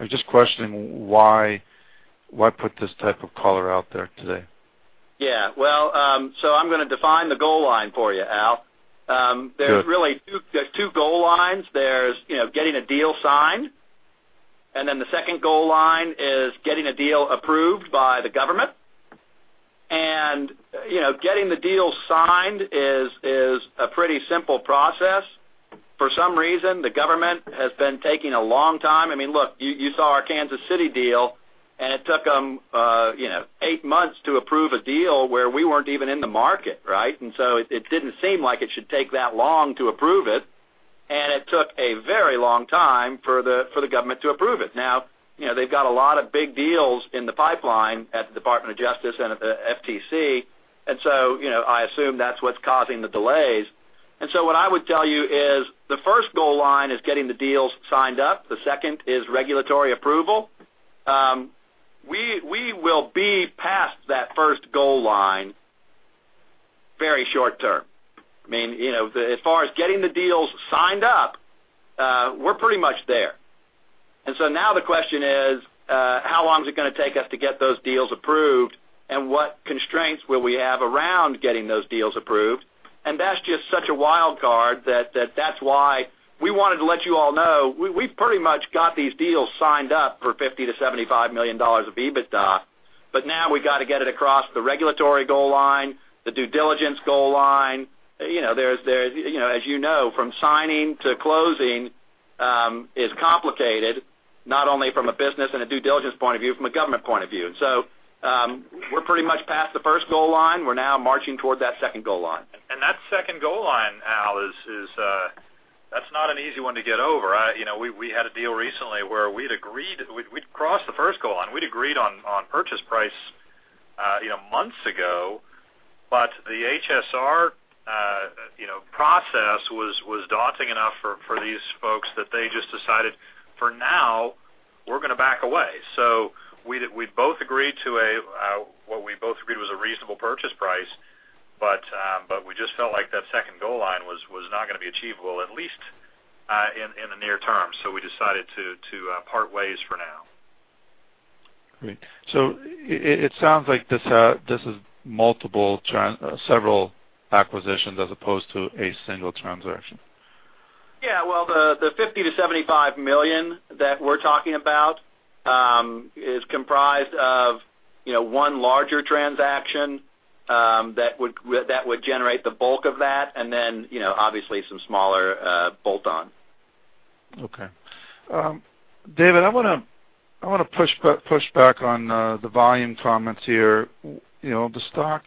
I'm just questioning why put this type of color out there today? Yeah. Well, I'm going to define the goal line for you, Al. Good. There's two goal lines. There's getting a deal signed, then the second goal line is getting a deal approved by the government. Getting the deal signed is a pretty simple process. For some reason, the government has been taking a long time. Look, you saw our Kansas City deal, it took them 8 months to approve a deal where we weren't even in the market, right? It didn't seem like it should take that long to approve it took a very long time for the government to approve it. They've got a lot of big deals in the pipeline at the Department of Justice and at the FTC, I assume that's what's causing the delays. What I would tell you is the first goal line is getting the deals signed up. The second is regulatory approval. We will be past that first goal line very short-term. As far as getting the deals signed up, we're pretty much there. Now the question is, how long is it going to take us to get those deals approved, and what constraints will we have around getting those deals approved? That's just such a wild card that that's why we wanted to let you all know, we've pretty much got these deals signed up for $50 million-$75 million of EBITDA. Now we've got to get it across the regulatory goal line, the due diligence goal line. As you know, from signing to closing is complicated, not only from a business and a due diligence point of view, from a government point of view. We're pretty much past the first goal line. We're now marching toward that second goal line. That second goal line, Al, that's not an easy one to get over. We had a deal recently where we'd crossed the first goal line. We'd agreed on purchase price months ago, the HSR process was daunting enough for these folks that they just decided, for now, we're going to back away. We both agreed to what we both agreed was a reasonable purchase price, we just felt like that second goal line was not going to be achievable, at least in the near term. We decided to part ways for now. Great. It sounds like this is multiple, several acquisitions as opposed to a single transaction. The $50 million-$75 million that we're talking about is comprised of one larger transaction that would generate the bulk of that, and then obviously some smaller bolt-on. David, I want to push back on the volume comments here. The stock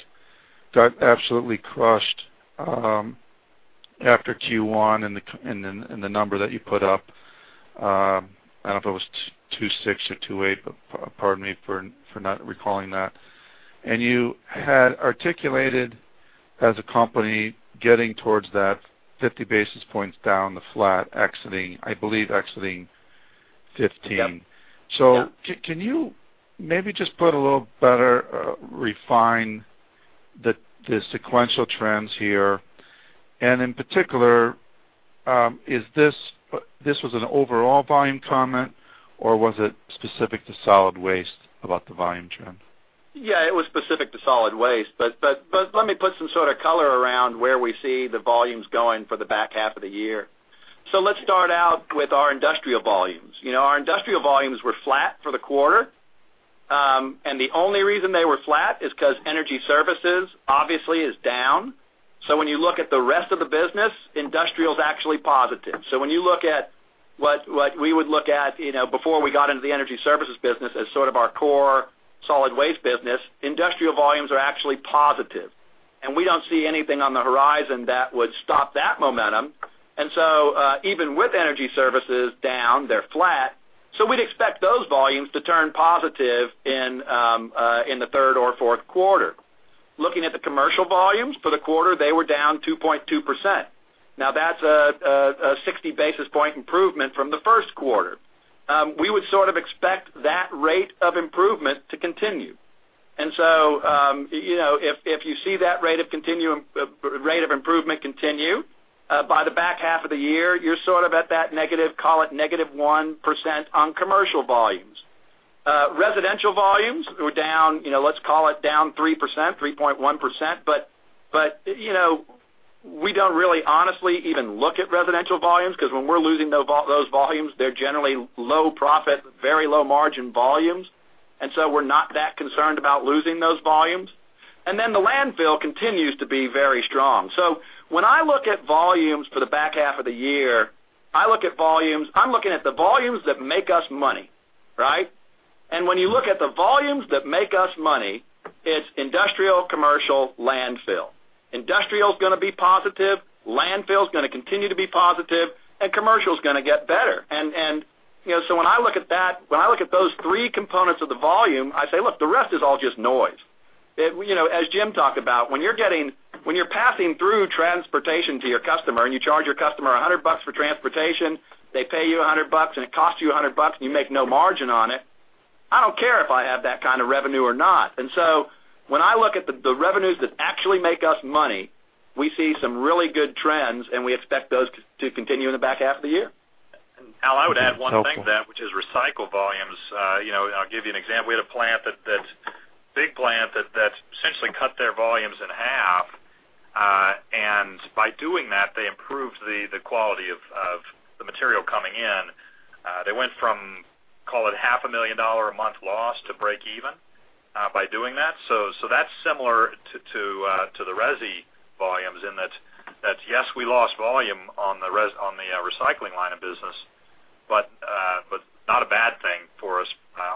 got absolutely crushed after Q1 and the number that you put up. I don't know if it was 26 or 28, pardon me for not recalling that. You had articulated as a company getting towards that 50 basis points down the flat exiting, I believe exiting 2015. Yep. Can you maybe just put a little better refine the sequential trends here? In particular, this was an overall volume comment or was it specific to solid waste about the volume trend? It was specific to solid waste. Let me put some sort of color around where we see the volumes going for the back half of the year. Let's start out with our industrial volumes. Our industrial volumes were flat for the quarter. The only reason they were flat is because energy services obviously is down. When you look at the rest of the business, industrial is actually positive. When you look at what we would look at before we got into the energy services business as sort of our core solid waste business, industrial volumes are actually positive. We don't see anything on the horizon that would stop that momentum. Even with energy services down, they're flat. We'd expect those volumes to turn positive in the third or fourth quarter. Looking at the commercial volumes for the quarter, they were down 2.2%. That's a 60-basis point improvement from the first quarter. We would sort of expect that rate of improvement to continue. If you see that rate of improvement continue by the back half of the year, you're sort of at that negative, call it negative 1% on commercial volumes. Residential volumes were down, let's call it down 3%, 3.1%. We don't really honestly even look at residential volumes because when we're losing those volumes, they're generally low profit, very low margin volumes. We're not that concerned about losing those volumes. The landfill continues to be very strong. When I look at volumes for the back half of the year, I'm looking at the volumes that make us money, right? When you look at the volumes that make us money, it's industrial, commercial, landfill. Industrial is going to be positive, landfill is going to continue to be positive, and commercial is going to get better. When I look at those three components of the volume, I say, look, the rest is all just noise. As Jim talked about, when you're passing through transportation to your customer and you charge your customer $100 for transportation, they pay you $100, and it costs you $100, and you make no margin on it. I don't care if I have that kind of revenue or not. When I look at the revenues that actually make us money, we see some really good trends, and we expect those to continue in the back half of the year. Al, I would add one thing to that, which is recycle volumes. I'll give you an example. We had a big plant that essentially cut their volumes in half, and by doing that, they improved the quality of the material coming in. They went from, call it, half a million dollar a month loss to break even by doing that. That's similar to the resi volumes in that, yes, we lost volume on the recycling line of business, but not a bad thing for us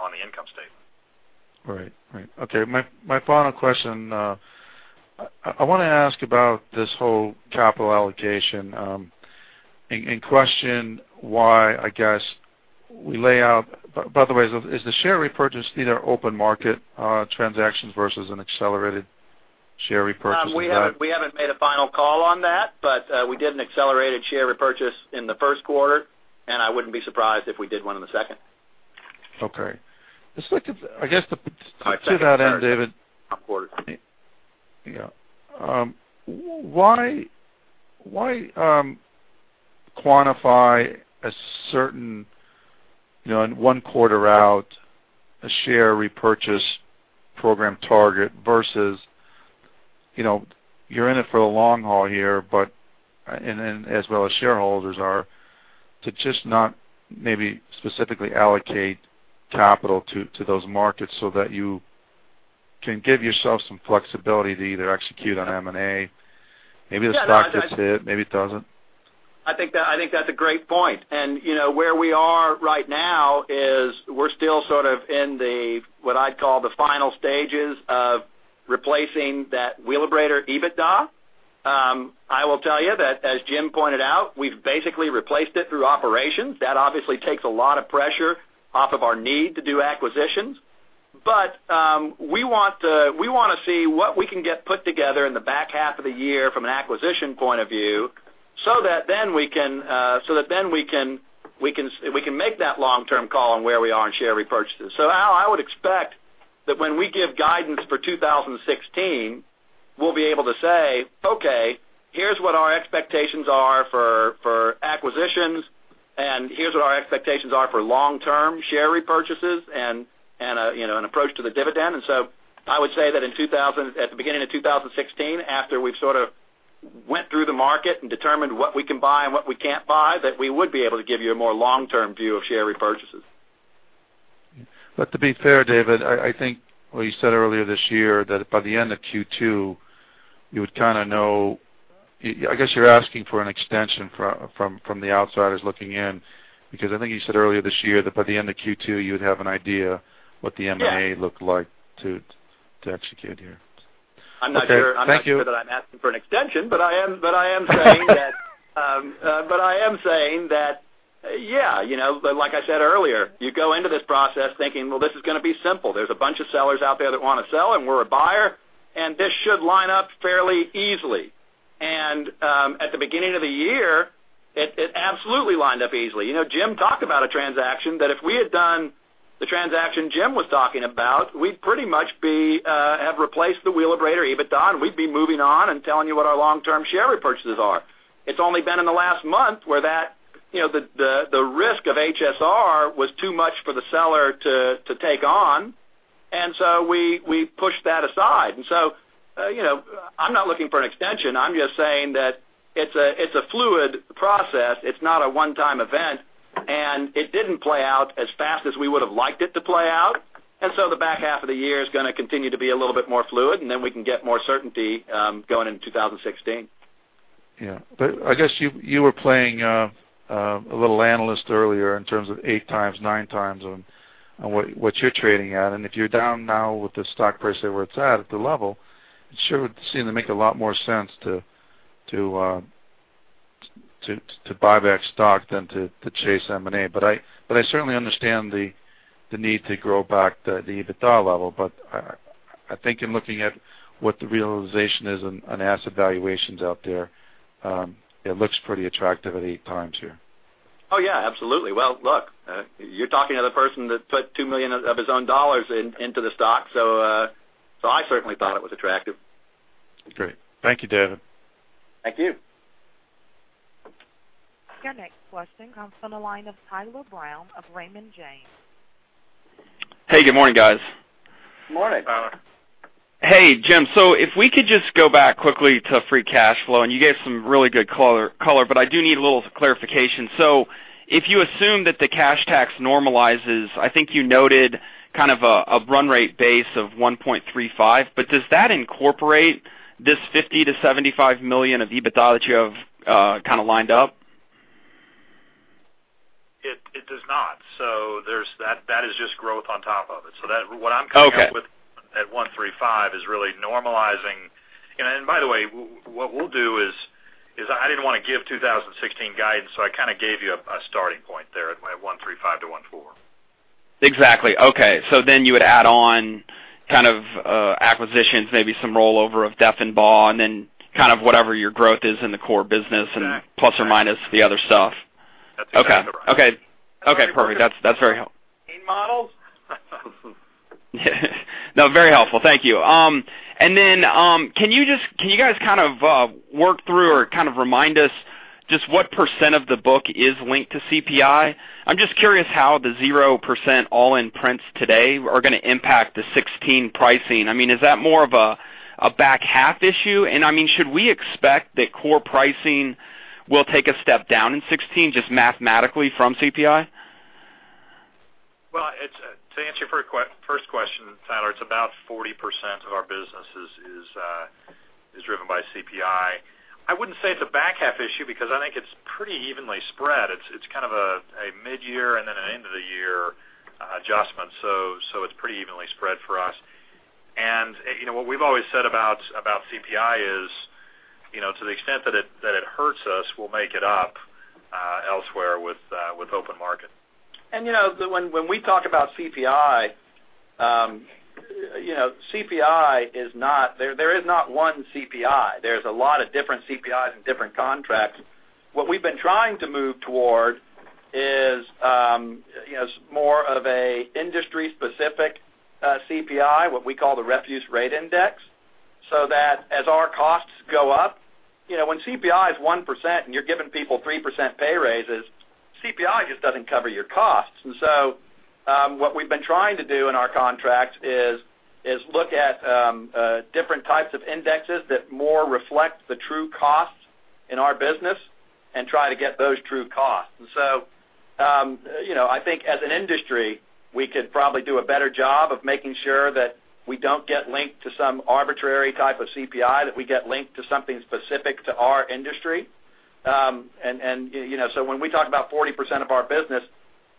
on the income statement. Right. Okay. My final question. I want to ask about this whole capital allocation and question why. By the way, is the share repurchase either open market transactions versus an accelerated share repurchase of that? We haven't made a final call on that, but we did an accelerated share repurchase in the first quarter, and I wouldn't be surprised if we did one in the second. Okay. I guess to that end, David. Second quarter. Yeah. Why quantify a certain one quarter out a share repurchase program target versus, you're in it for the long haul here, and as well as shareholders are, to just not maybe specifically allocate capital to those markets so that you can give yourself some flexibility to either execute on M&A. Maybe the stock gets hit, maybe it doesn't. I think that's a great point. Where we are right now is we're still sort of in the, what I'd call the final stages of replacing that Wheelabrator EBITDA. I will tell you that, as Jim pointed out, we've basically replaced it through operations. That obviously takes a lot of pressure off of our need to do acquisitions. We want to see what we can get put together in the back half of the year from an acquisition point of view so that then we can make that long-term call on where we are in share repurchases. Al, I would expect that when we give guidance for 2016, we'll be able to say, "Okay, here's what our expectations are for acquisitions, and here's what our expectations are for long-term share repurchases and an approach to the dividend." I would say that at the beginning of 2016, after we've sort of went through the market and determined what we can buy and what we can't buy, that we would be able to give you a more long-term view of share repurchases. To be fair, David, I think what you said earlier this year, that by the end of Q2, you would kind of know I guess you're asking for an extension from the outsiders looking in. I think you said earlier this year that by the end of Q2, you would have an idea what the M&A- Yeah looked like to execute here. I'm not sure Okay. Thank you I'm not sure that I'm asking for an extension, but I am saying that. Like I said earlier, you go into this process thinking, "Well, this is going to be simple. There's a bunch of sellers out there that want to sell, and we're a buyer, and this should line up fairly easily." At the beginning of the year, it absolutely lined up easily. Jim talked about a transaction, that if we had done the transaction Jim was talking about, we'd pretty much have replaced the Wheelabrator EBITDA, and we'd be moving on and telling you what our long-term share repurchases are. It's only been in the last month where the risk of HSR was too much for the seller to take on, we pushed that aside. I'm not looking for an extension. I'm just saying that it's a fluid process. It's not a one-time event, and it didn't play out as fast as we would've liked it to play out. The back half of the year is going to continue to be a little bit more fluid, and then we can get more certainty going into 2016. Yeah. I guess you were playing a little analyst earlier in terms of 8 times, 9 times on what you're trading at. If you're down now with the stock price where it's at the level, it sure would seem to make a lot more sense to buy back stock than to chase M&A. I certainly understand the need to grow back the EBITDA level. I think in looking at what the realization is on asset valuations out there, it looks pretty attractive at 8 times here. Oh, yeah, absolutely. Well, look, you're talking to the person that put $2 million of his own dollars into the stock, so I certainly thought it was attractive. Great. Thank you, David. Thank you. Your next question comes from the line of Tyler Brown of Raymond James. Hey, good morning, guys. Morning. Morning, Tyler. Hey, Jim. If we could just go back quickly to free cash flow, and you gave some really good color, but I do need a little clarification. If you assume that the cash tax normalizes, I think you noted kind of a run rate base of $1.35, but does that incorporate this $50 million-$75 million of EBITDA that you have kind of lined up? It does not. That is just growth on top of it. What I'm coming up with Okay at $1.35 is really normalizing. By the way, what we'll do is, I didn't want to give 2016 guidance, I kind of gave you a starting point there at my $1.35-$1.4. Exactly. Okay. You would add on kind of acquisitions, maybe some rollover of debt and BA, and then kind of whatever your growth is in the core business Correct plus or minus the other stuff. That's exactly right. Okay. Perfect. That's very. Team models. Very helpful. Thank you. Can you guys kind of work through or kind of remind us just what % of the book is linked to CPI? I'm just curious how the 0% all-in prints today are going to impact the 2016 pricing. Is that more of a back half issue? Should we expect that core pricing will take a step down in 2016, just mathematically from CPI? To answer your first question, Tyler, it's about 40% of our business is driven by CPI. I wouldn't say it's a back half issue because I think it's pretty evenly spread. It's kind of a mid-year and then an end-of-the-year adjustment. It's pretty evenly spread for us. What we've always said about CPI is, to the extent that it hurts us, we'll make it up elsewhere with open market. When we talk about CPI, there is not one CPI. There's a lot of different CPIs and different contracts. What we've been trying to move toward is more of a industry-specific CPI, what we call the Refuse Rate Index, so that as our costs go up. When CPI is 1% and you're giving people 3% pay raises, CPI just doesn't cover your costs. What we've been trying to do in our contracts is look at different types of indexes that more reflect the true costs in our business and try to get those true costs. I think as an industry, we could probably do a better job of making sure that we don't get linked to some arbitrary type of CPI, that we get linked to something specific to our industry. When we talk about 40% of our business,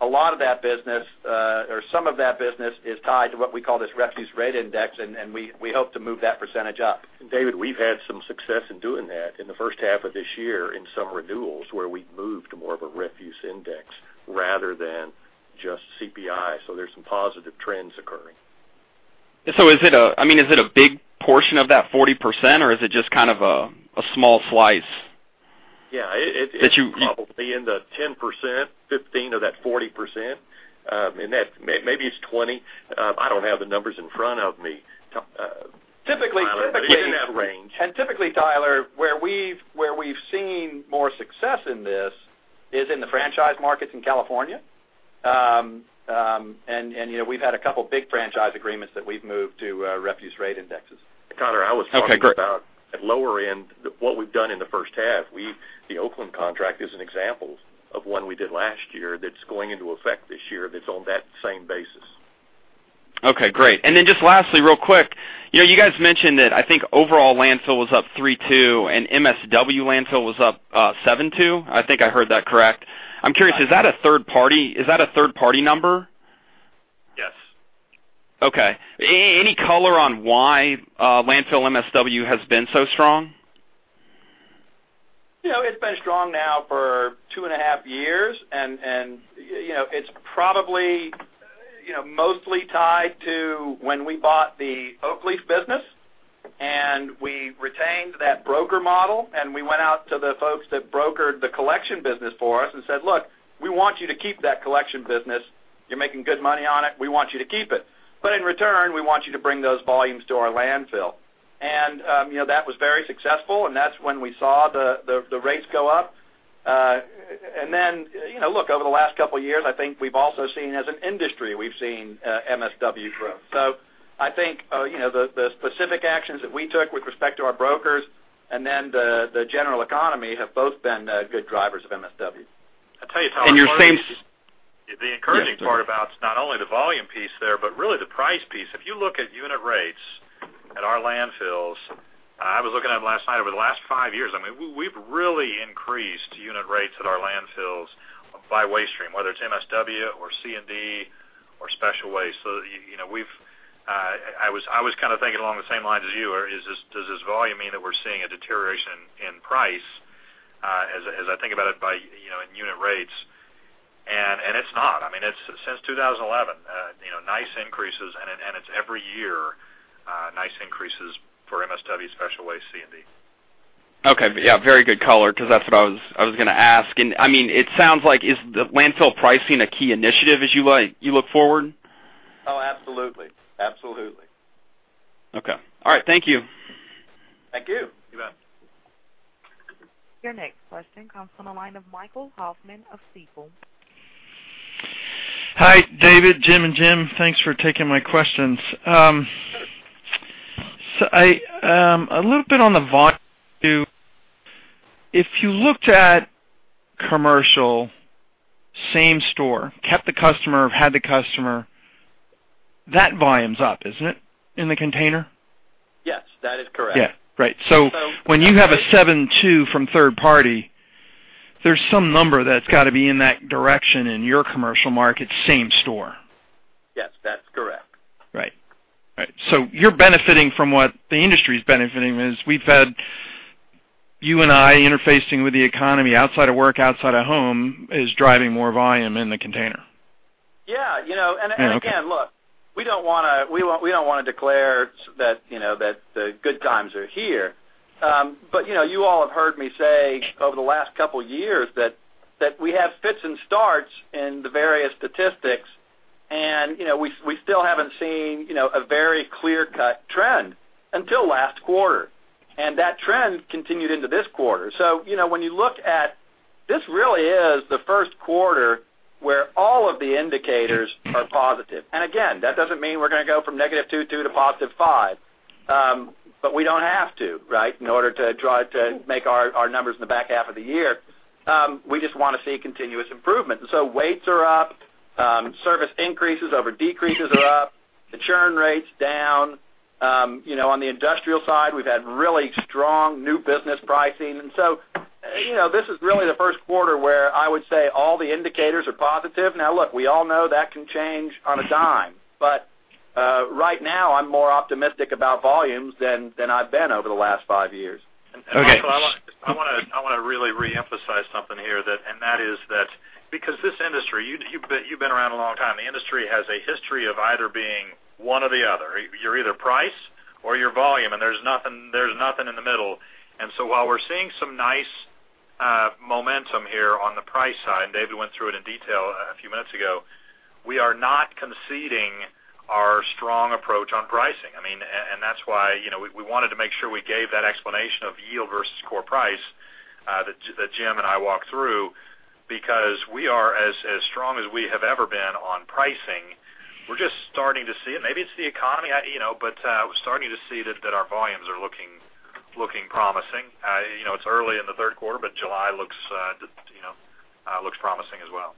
a lot of that business, or some of that business is tied to what we call this Refuse Rate Index, and we hope to move that percentage up. David, we've had some success in doing that in the first half of this year in some renewals where we've moved to more of a Refuse Index rather than just CPI. There's some positive trends occurring. Is it a big portion of that 40%, or is it just a small slice? It's probably in the 10%, 15% of that 40%, maybe it's 20%. I don't have the numbers in front of me, Tyler. Typically- It is in that range. Typically, Tyler, where we've seen more success in this is in the franchise markets in California. We've had a couple big franchise agreements that we've moved to Refuse Rate Indexes. Okay, great. Tyler, I was talking about at lower end, what we've done in the first half. The Oakland contract is an example of one we did last year that's going into effect this year, that's on that same basis. Okay, great. Then just lastly, real quick. You guys mentioned that, I think, overall landfill was up 3.2% and MSW landfill was up 7.2%. I think I heard that correct. I'm curious, is that a third-party number? Yes. Okay. Any color on why landfill MSW has been so strong? It's been strong now for two and a half years, and it's probably mostly tied to when we bought the Oakleaf business and we retained that broker model, and we went out to the folks that brokered the collection business for us and said, "Look, we want you to keep that collection business. You're making good money on it. We want you to keep it. But in return, we want you to bring those volumes to our landfill." That was very successful, and that's when we saw the rates go up. Then, look, over the last couple of years, I think we've also seen, as an industry, we've seen MSW grow. I think, the specific actions that we took with respect to our brokers and then the general economy have both been good drivers of MSW. I tell you, Tyler- Your same- The encouraging part about not only the volume piece there, but really the price piece. If you look at unit rates at our landfills, I was looking at it last night, over the last five years, we've really increased unit rates at our landfills by waste stream, whether it's MSW or C&D or special waste. I was kind of thinking along the same lines as you, does this volume mean that we're seeing a deterioration in price, as I think about it in unit rates, and it's not. Since 2011, nice increases, and it's every year, nice increases for MSW special waste C&D. Okay. Yeah, very good color, because that's what I was going to ask. It sounds like, is the landfill pricing a key initiative as you look forward? Absolutely. Okay. All right. Thank you. Thank you. You bet. Your next question comes from the line of Michael Hoffman of Stifel. Hi, David, Jim, and Jim. Thanks for taking my questions. A little bit on the volume, too. If you looked at commercial same-store, kept the customer or had the customer, that volume's up, isn't it, in the container? Yes, that is correct. Yeah. Great. When you have a 7.2 from third party, there's some number that's got to be in that direction in your commercial market same-store. Yes, that's correct. Right. You're benefiting from what the industry's benefiting is we've had you and I interfacing with the economy outside of work, outside of home, is driving more volume in the container. Yeah. Okay. Again, look, we don't want to declare that the good times are here. You all have heard me say over the last couple of years that we have fits and starts in the various statistics, and we still haven't seen a very clear-cut trend until last quarter. That trend continued into this quarter. When you look at, this really is the first quarter where all of the indicators are positive. Again, that doesn't mean we're going to go from negative 2.2 to positive 5. We don't have to in order to make our numbers in the back half of the year. We just want to see continuous improvement. Weights are up, service increases over decreases are up, the churn rate's down. On the industrial side, we've had really strong new business pricing. This is really the first quarter where I would say all the indicators are positive. Look, we all know that can change on a dime, but right now I'm more optimistic about volumes than I've been over the last five years. Okay. Michael, I want to really re-emphasize something here, that is that because this industry, you've been around a long time, the industry has a history of either being one or the other. You're either price or you're volume, there's nothing in the middle. While we're seeing some nice momentum here on the price side, David went through it in detail a few minutes ago, we are not conceding our strong approach on pricing. That's why we wanted to make sure we gave that explanation of yield versus core price, that Jim and I walked through, because we are as strong as we have ever been on pricing. We're just starting to see it. Maybe it's the economy, we're starting to see that our volumes are looking promising. It's early in the third quarter, July looks promising as well.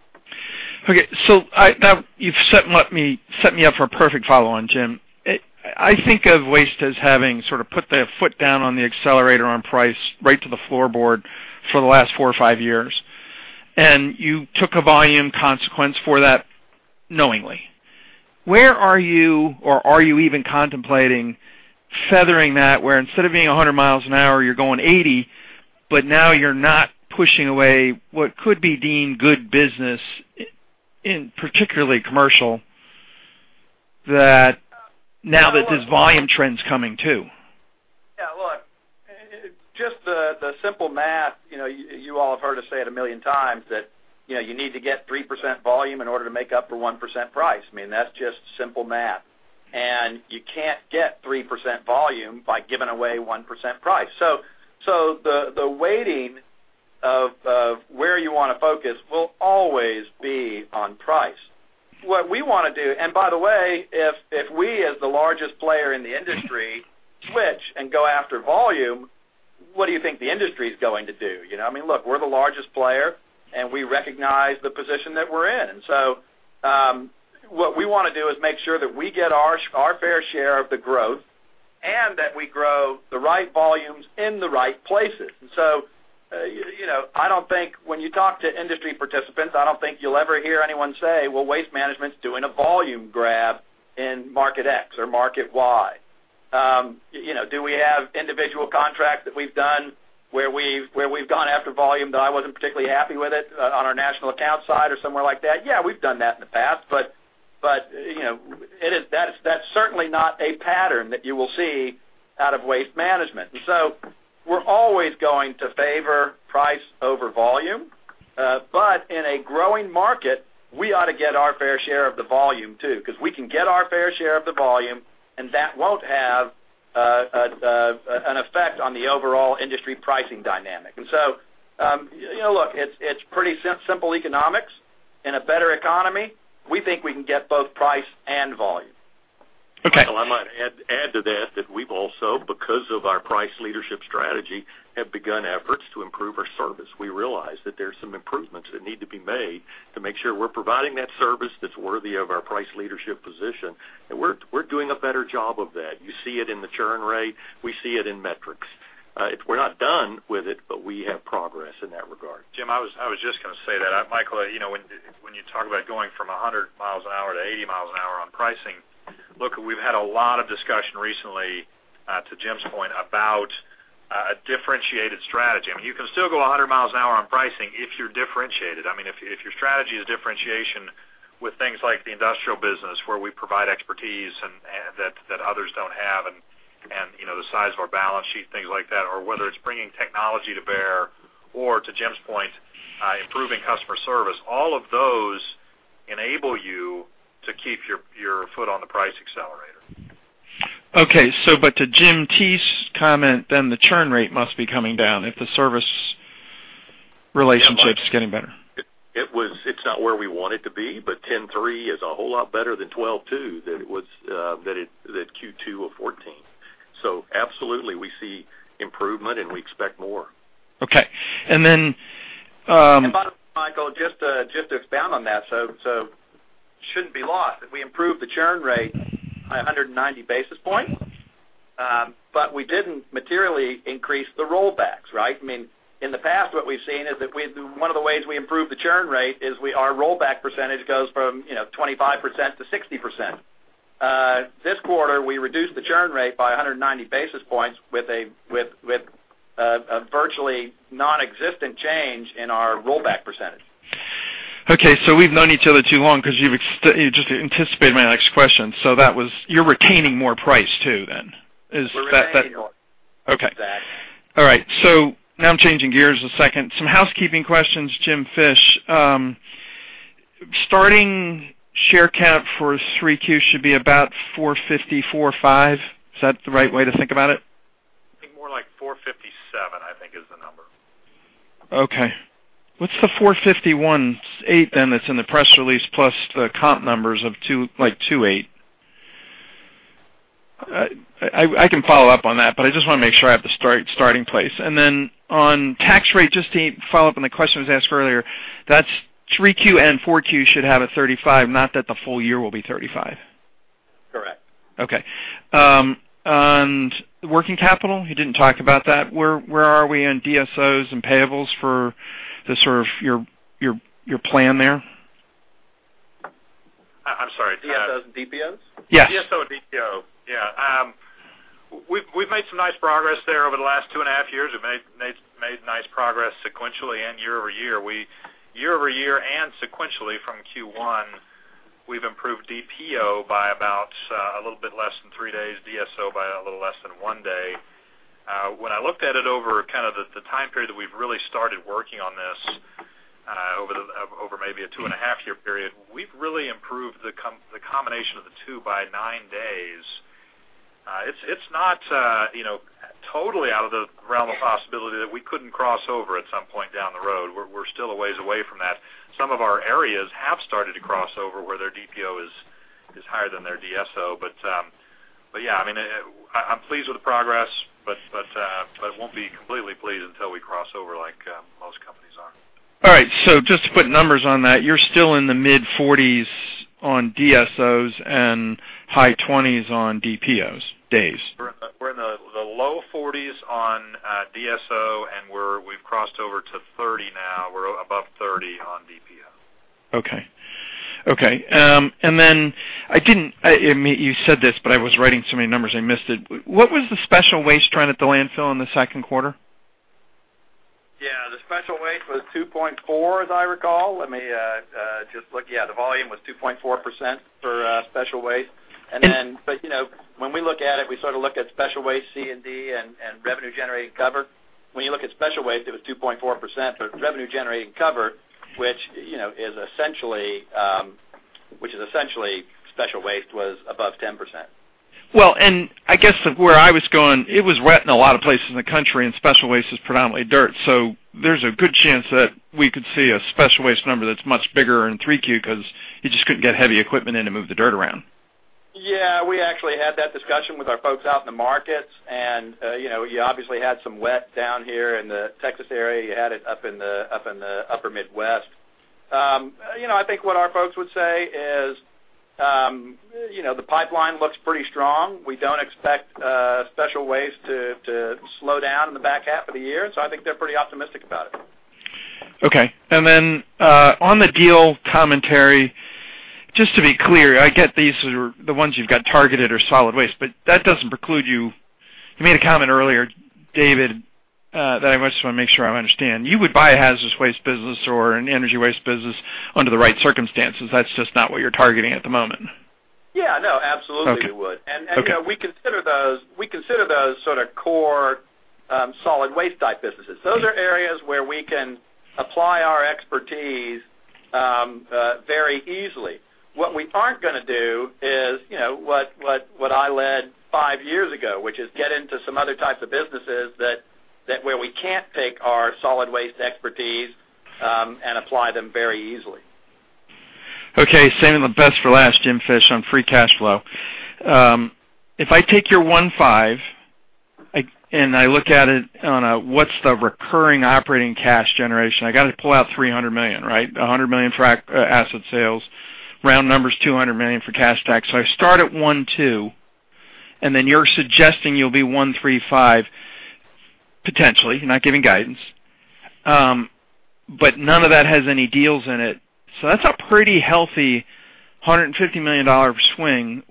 Okay. Now you've set me up for a perfect follow-on, Jim. I think of Waste as having sort of put their foot down on the accelerator on price right to the floorboard for the last four or five years, you took a volume consequence for that knowingly. Where are you, or are you even contemplating feathering that, where instead of being 100 miles an hour, you're going 80, now you're not pushing away what could be deemed good business, in particularly commercial, that now that this volume trend's coming too? Yeah, look, just the simple math, you all have heard us say it 1 million times that you need to get 3% volume in order to make up for 1% price. That's just simple math. You can't get 3% volume by giving away 1% price. The weighting of where you want to focus will always be on price. What we want to do, and by the way, if we, as the largest player in the industry, switch and go after volume, what do you think the industry's going to do? Look, we're the largest player, and we recognize the position that we're in. What we want to do is make sure that we get our fair share of the growth and that we grow the right volumes in the right places. When you talk to industry participants, I don't think you'll ever hear anyone say, "Well, Waste Management's doing a volume grab in market X or market Y." Do we have individual contracts that we've done where we've gone after volume that I wasn't particularly happy with it on our national account side or somewhere like that? Yeah, we've done that in the past, but that's certainly not a pattern that you will see out of Waste Management. We're always going to favor price over volume. In a growing market, we ought to get our fair share of the volume too, because if we can get our fair share of the volume, that won't have an effect on the overall industry pricing dynamic. It's pretty simple economics. In a better economy, we think we can get both price and volume. Okay. Well, I might add to that we've also, because of our price leadership strategy, have begun efforts to improve our service. We realize that there's some improvements that need to be made to make sure we're providing that service that's worthy of our price leadership position, and we're doing a better job of that. You see it in the churn rate. We see it in metrics. We're not done with it, but we have progress in that regard. Jim, I was just going to say that, Michael, when you talk about going from 100 miles an hour to 80 miles an hour on pricing, look, we've had a lot of discussion recently, to Jim's point, about a differentiated strategy. You can still go 100 miles an hour on pricing if you're differentiated. If your strategy is differentiation with things like the industrial business, where we provide expertise that others don't have, and the size of our balance sheet, things like that, or whether it's bringing technology to bear or, to Jim's point, improving customer service, all of those enable you to keep your foot on the price accelerator. Okay. To Jim T.'s comment, the churn rate must be coming down if the service relationship's getting better. It's not where we want it to be, 10.3 is a whole lot better than 12.2 that Q2 of 2014. Absolutely, we see improvement, and we expect more. Okay. By the way, Michael, just to expound on that, it shouldn't be lost. If we improve the churn rate by 190 basis points, we didn't materially increase the rollbacks. In the past, what we've seen is that one of the ways we improve the churn rate is our rollback percentage goes from 25%-60%. This quarter, we reduced the churn rate by 190 basis points with a virtually non-existent change in our rollback percentage. Okay. We've known each other too long because you just anticipated my next question. You're retaining more price too, then. Is that- We're retaining more. Okay. Exactly. All right. Now I'm changing gears a second. Some housekeeping questions, Jim Fish. Starting share count for 3Q should be about 454.5. Is that the right way to think about it? I think more like 457, I think is the number. What's the 451.8 then that's in the press release plus the comp numbers of like 2.8? I can follow up on that, but I just want to make sure I have the starting place. On tax rate, just to follow up on the questions asked earlier, that's 3Q and 4Q should have a 35, not that the full year will be 35? Correct. Working capital, you didn't talk about that. Where are we on DSOs and payables for the sort of your plan there? I'm sorry. DSOs and DPOs? Yes. DSO and DPO. Yeah. We've made some nice progress there over the last two and a half years. We've made nice progress sequentially and year-over-year. Year-over-year and sequentially from Q1, we've improved DPO by about a little bit less than three days, DSO by a little less than one day. When I looked at it over kind of the time period that we've really started working on this, over maybe a two and a half year period, we've really improved the combination of the two by nine days. It's not totally out of the realm of possibility that we couldn't cross over at some point down the road. We're still a ways away from that. Some of our areas have started to cross over where their DPO is higher than their DSO. Yeah, I'm pleased with the progress, but won't be completely pleased until we cross over like most companies are. All right. Just to put numbers on that, you're still in the mid-40s on DSOs and high-20s on DPOs, days. We're in the low-40s on DSO, and we've crossed over to 30 now. We're above 30 on DPO. Okay. You said this, but I was writing so many numbers I missed it. What was the special waste trend at the landfill in the second quarter? Yeah, the special waste was 2.4% as I recall. Let me just look. Yeah, the volume was 2.4% for special waste. When we look at it, we sort of look at special waste C&D and revenue generating cover. When you look at special waste, it was 2.4%, revenue generating cover, which is essentially special waste, was above 10%. Well, I guess where I was going, it was wet in a lot of places in the country, and special waste is predominantly dirt. There's a good chance that we could see a special waste number that's much bigger in 3Q because you just couldn't get heavy equipment in to move the dirt around. Yeah, we actually had that discussion with our folks out in the markets, you obviously had some wet down here in the Texas area. You had it up in the upper Midwest. I think what our folks would say is the pipeline looks pretty strong. We don't expect special waste to slow down in the back half of the year. I think they're pretty optimistic about it. Okay. On the deal commentary, just to be clear, I get these are the ones you've got targeted are solid waste, but that doesn't preclude you. You made a comment earlier, David, that I just want to make sure I understand. You would buy a hazardous waste business or an energy waste business under the right circumstances. That's just not what you're targeting at the moment. Yeah, no, absolutely we would. Okay. We consider those sort of core solid waste type businesses. Those are areas where we can apply our expertise very easily. What we aren't going to do is what I led five years ago, which is get into some other types of businesses where we can't take our solid waste expertise and apply them very easily. Okay. Saving the best for last, Jim Fish, on free cash flow. If I take your one five and I look at it on a what's the recurring operating cash generation? I got to pull out $300 million, right? $100 million for asset sales, round numbers, $200 million for cash tax. I start at one two, you're suggesting you'll be one three five potentially, you're not giving guidance. None of that has any deals in it. That's a pretty healthy $150 million swing.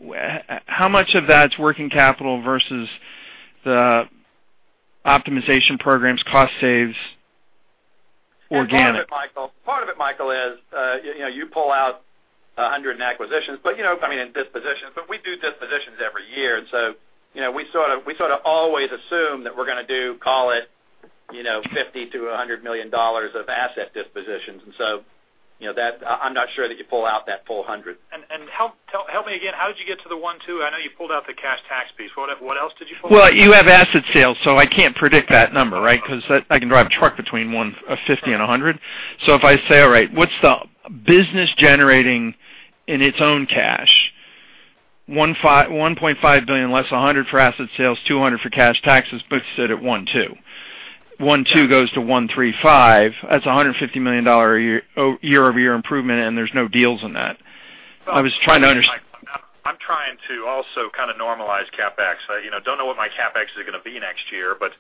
How much of that's working capital versus the optimization programs, cost saves, organic? Part of it, Michael, is you pull out $100 in acquisitions, I mean, in dispositions, but we do dispositions every year. We sort of always assume that we're going to do, call it, $50 million to $100 million of asset dispositions. I'm not sure that you pull out that full $100. Help me again, how did you get to the 1.2? I know you pulled out the cash tax piece. What else did you pull out? You have asset sales, so I can't predict that number, right? Because I can drive a truck between $50 and $100. If I say, all right, what's the business generating in its own cash? $1.5 billion less $100 million for asset sales, $200 million for cash taxes puts it at $1.2 billion. $1.2 billion goes to $1.35 billion. That's $150 million year-over-year improvement, there's no deals in that. I'm trying to also kind of normalize CapEx. I don't know what my CapEx is going to be next year, but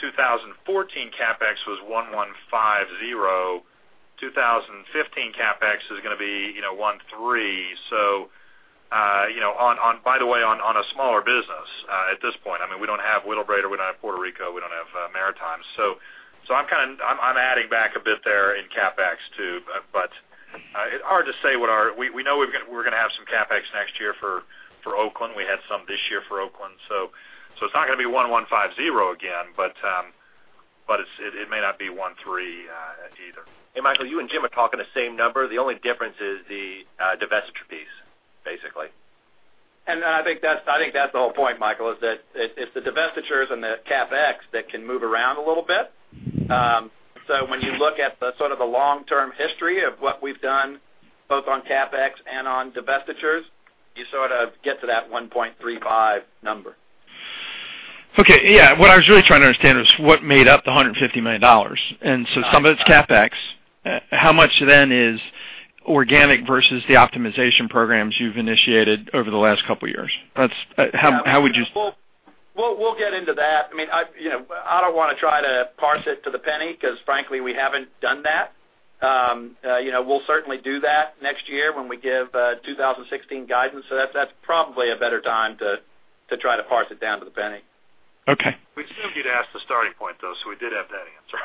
2014 CapEx was $1,150 million, 2015 CapEx is going to be $1.3 billion. On a smaller business at this point, we don't have Wheelabrator, we don't have Puerto Rico, we don't have Maritimes. I'm adding back a bit there in CapEx, too, but it's hard to say. We know we're going to have some CapEx next year for Oakland. We had some this year for Oakland. It's not going to be $1,150 million again, but it may not be $1.3 billion either. Michael, you and Jim are talking the same number. The only difference is the divestiture piece, basically. I think that's the whole point, Michael, is that it's the divestitures and the CapEx that can move around a little bit. When you look at the sort of the long-term history of what we've done, both on CapEx and on divestitures, you sort of get to that 1.35 number. Okay. Yeah. What I was really trying to understand was what made up the $150 million. Some of it's CapEx. How much then is organic versus the optimization programs you've initiated over the last couple of years? How would you? We'll get into that. I don't want to try to parse it to the penny because frankly, we haven't done that. We'll certainly do that next year when we give 2016 guidance. That's probably a better time to try to parse it down to the penny. Okay. We assumed you'd ask the starting point, though, so we did have that answer.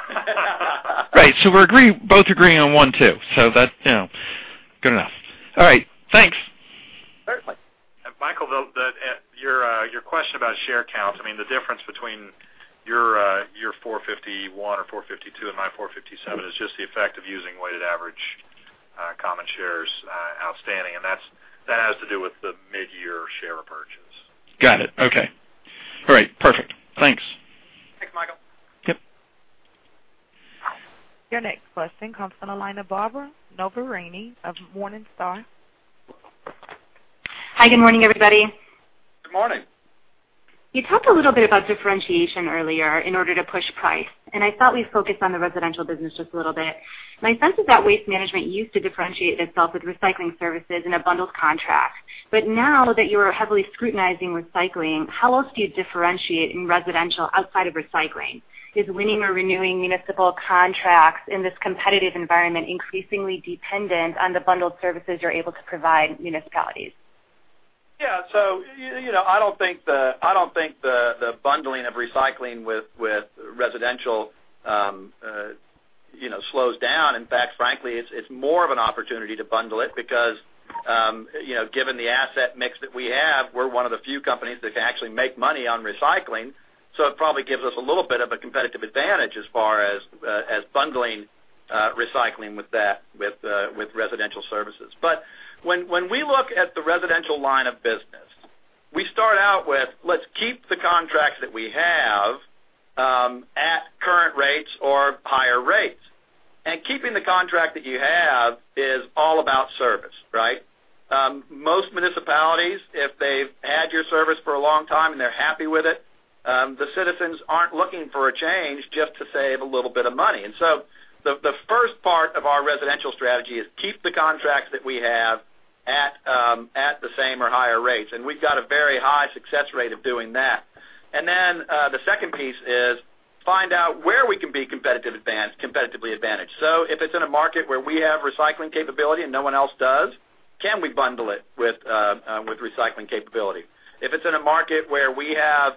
Right. We're both agreeing on one, too. That's good enough. All right. Thanks. Certainly. Michael, your question about share count, the difference between your 451 or 452 and my 457 is just the effect of using weighted average common shares outstanding, and that has to do with the mid-year share purchase. Got it. Okay. All right. Perfect. Thanks. Thanks, Michael. Yep. Your next question comes from the line of Barbara Noverini of Morningstar. Hi, good morning, everybody. Good morning. You talked a little bit about differentiation earlier in order to push price. I thought we'd focus on the residential business just a little bit. My sense is that Waste Management used to differentiate itself with recycling services in a bundled contract. Now that you are heavily scrutinizing recycling, how else do you differentiate in residential outside of recycling? Is winning or renewing municipal contracts in this competitive environment increasingly dependent on the bundled services you're able to provide municipalities? Yeah. I don't think the bundling of recycling with residential slows down. In fact, frankly, it's more of an opportunity to bundle it because, given the asset mix that we have, we're one of the few companies that can actually make money on recycling. It probably gives us a little bit of a competitive advantage as far as bundling recycling with residential services. When we look at the residential line of business, we start out with, let's keep the contracts that we have at current rates or higher rates. Keeping the contract that you have is all about service, right? Most municipalities, if they've had your service for a long time and they're happy with it, the citizens aren't looking for a change just to save a little bit of money. The first part of our residential strategy is keep the contracts that we have at the same or higher rates, and we've got a very high success rate of doing that. Then, the second piece is find out where we can be competitively advantaged. If it's in a market where we have recycling capability and no one else does, can we bundle it with recycling capability? If it's in a market where we have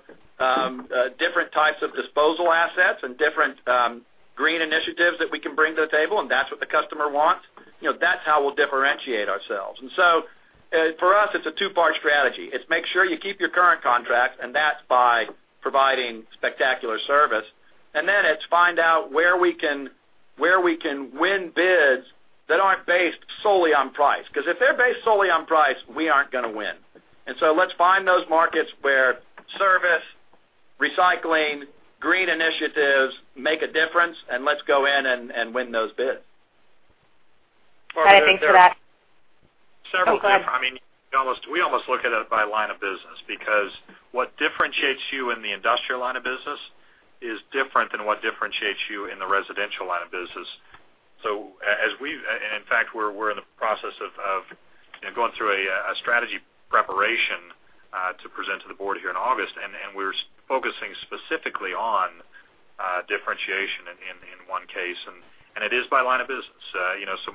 different types of disposal assets and different green initiatives that we can bring to the table, and that's what the customer wants, that's how we'll differentiate ourselves. For us, it's a two-part strategy. It's make sure you keep your current contracts, and that's by providing spectacular service. Then it's find out where we can win bids that aren't based solely on price, because if they're based solely on price, we aren't going to win. Let's find those markets where service, recycling, green initiatives make a difference, and let's go in and win those bids. All right, thanks for that. Several things. Go ahead. We almost look at it by line of business because what differentiates you in the industrial line of business is different than what differentiates you in the residential line of business. In fact, we're in the process of going through a strategy preparation to present to the board here in August, and we're focusing specifically on differentiation in one case, and it is by line of business.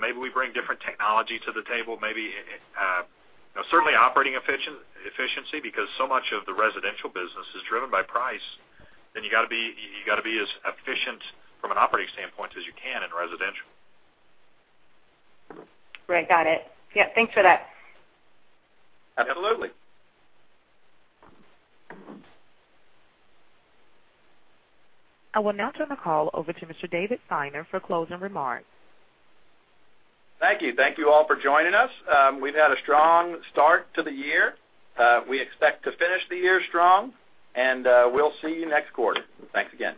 Maybe we bring different technology to the table. Certainly operating efficiency, because so much of the residential business is driven by price. You got to be as efficient from an operating standpoint as you can in residential. Right. Got it. Yeah, thanks for that. Absolutely. I will now turn the call over to Mr. David Steiner for closing remarks. Thank you. Thank you all for joining us. We've had a strong start to the year. We expect to finish the year strong, and we'll see you next quarter. Thanks again.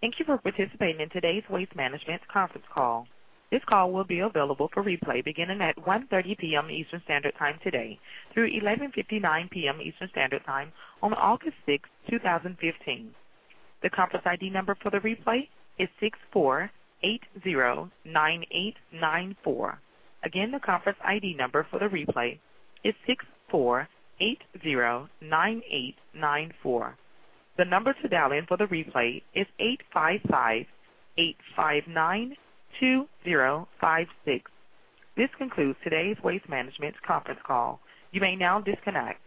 Thank you for participating in today's Waste Management conference call. This call will be available for replay beginning at 1:30 P.M. Eastern Standard Time today through 11:59 P.M. Eastern Standard Time on August 6th, 2015. The conference ID number for the replay is 64809894. Again, the conference ID number for the replay is 64809894. The number to dial in for the replay is 855-859-2056. This concludes today's Waste Management conference call. You may now disconnect.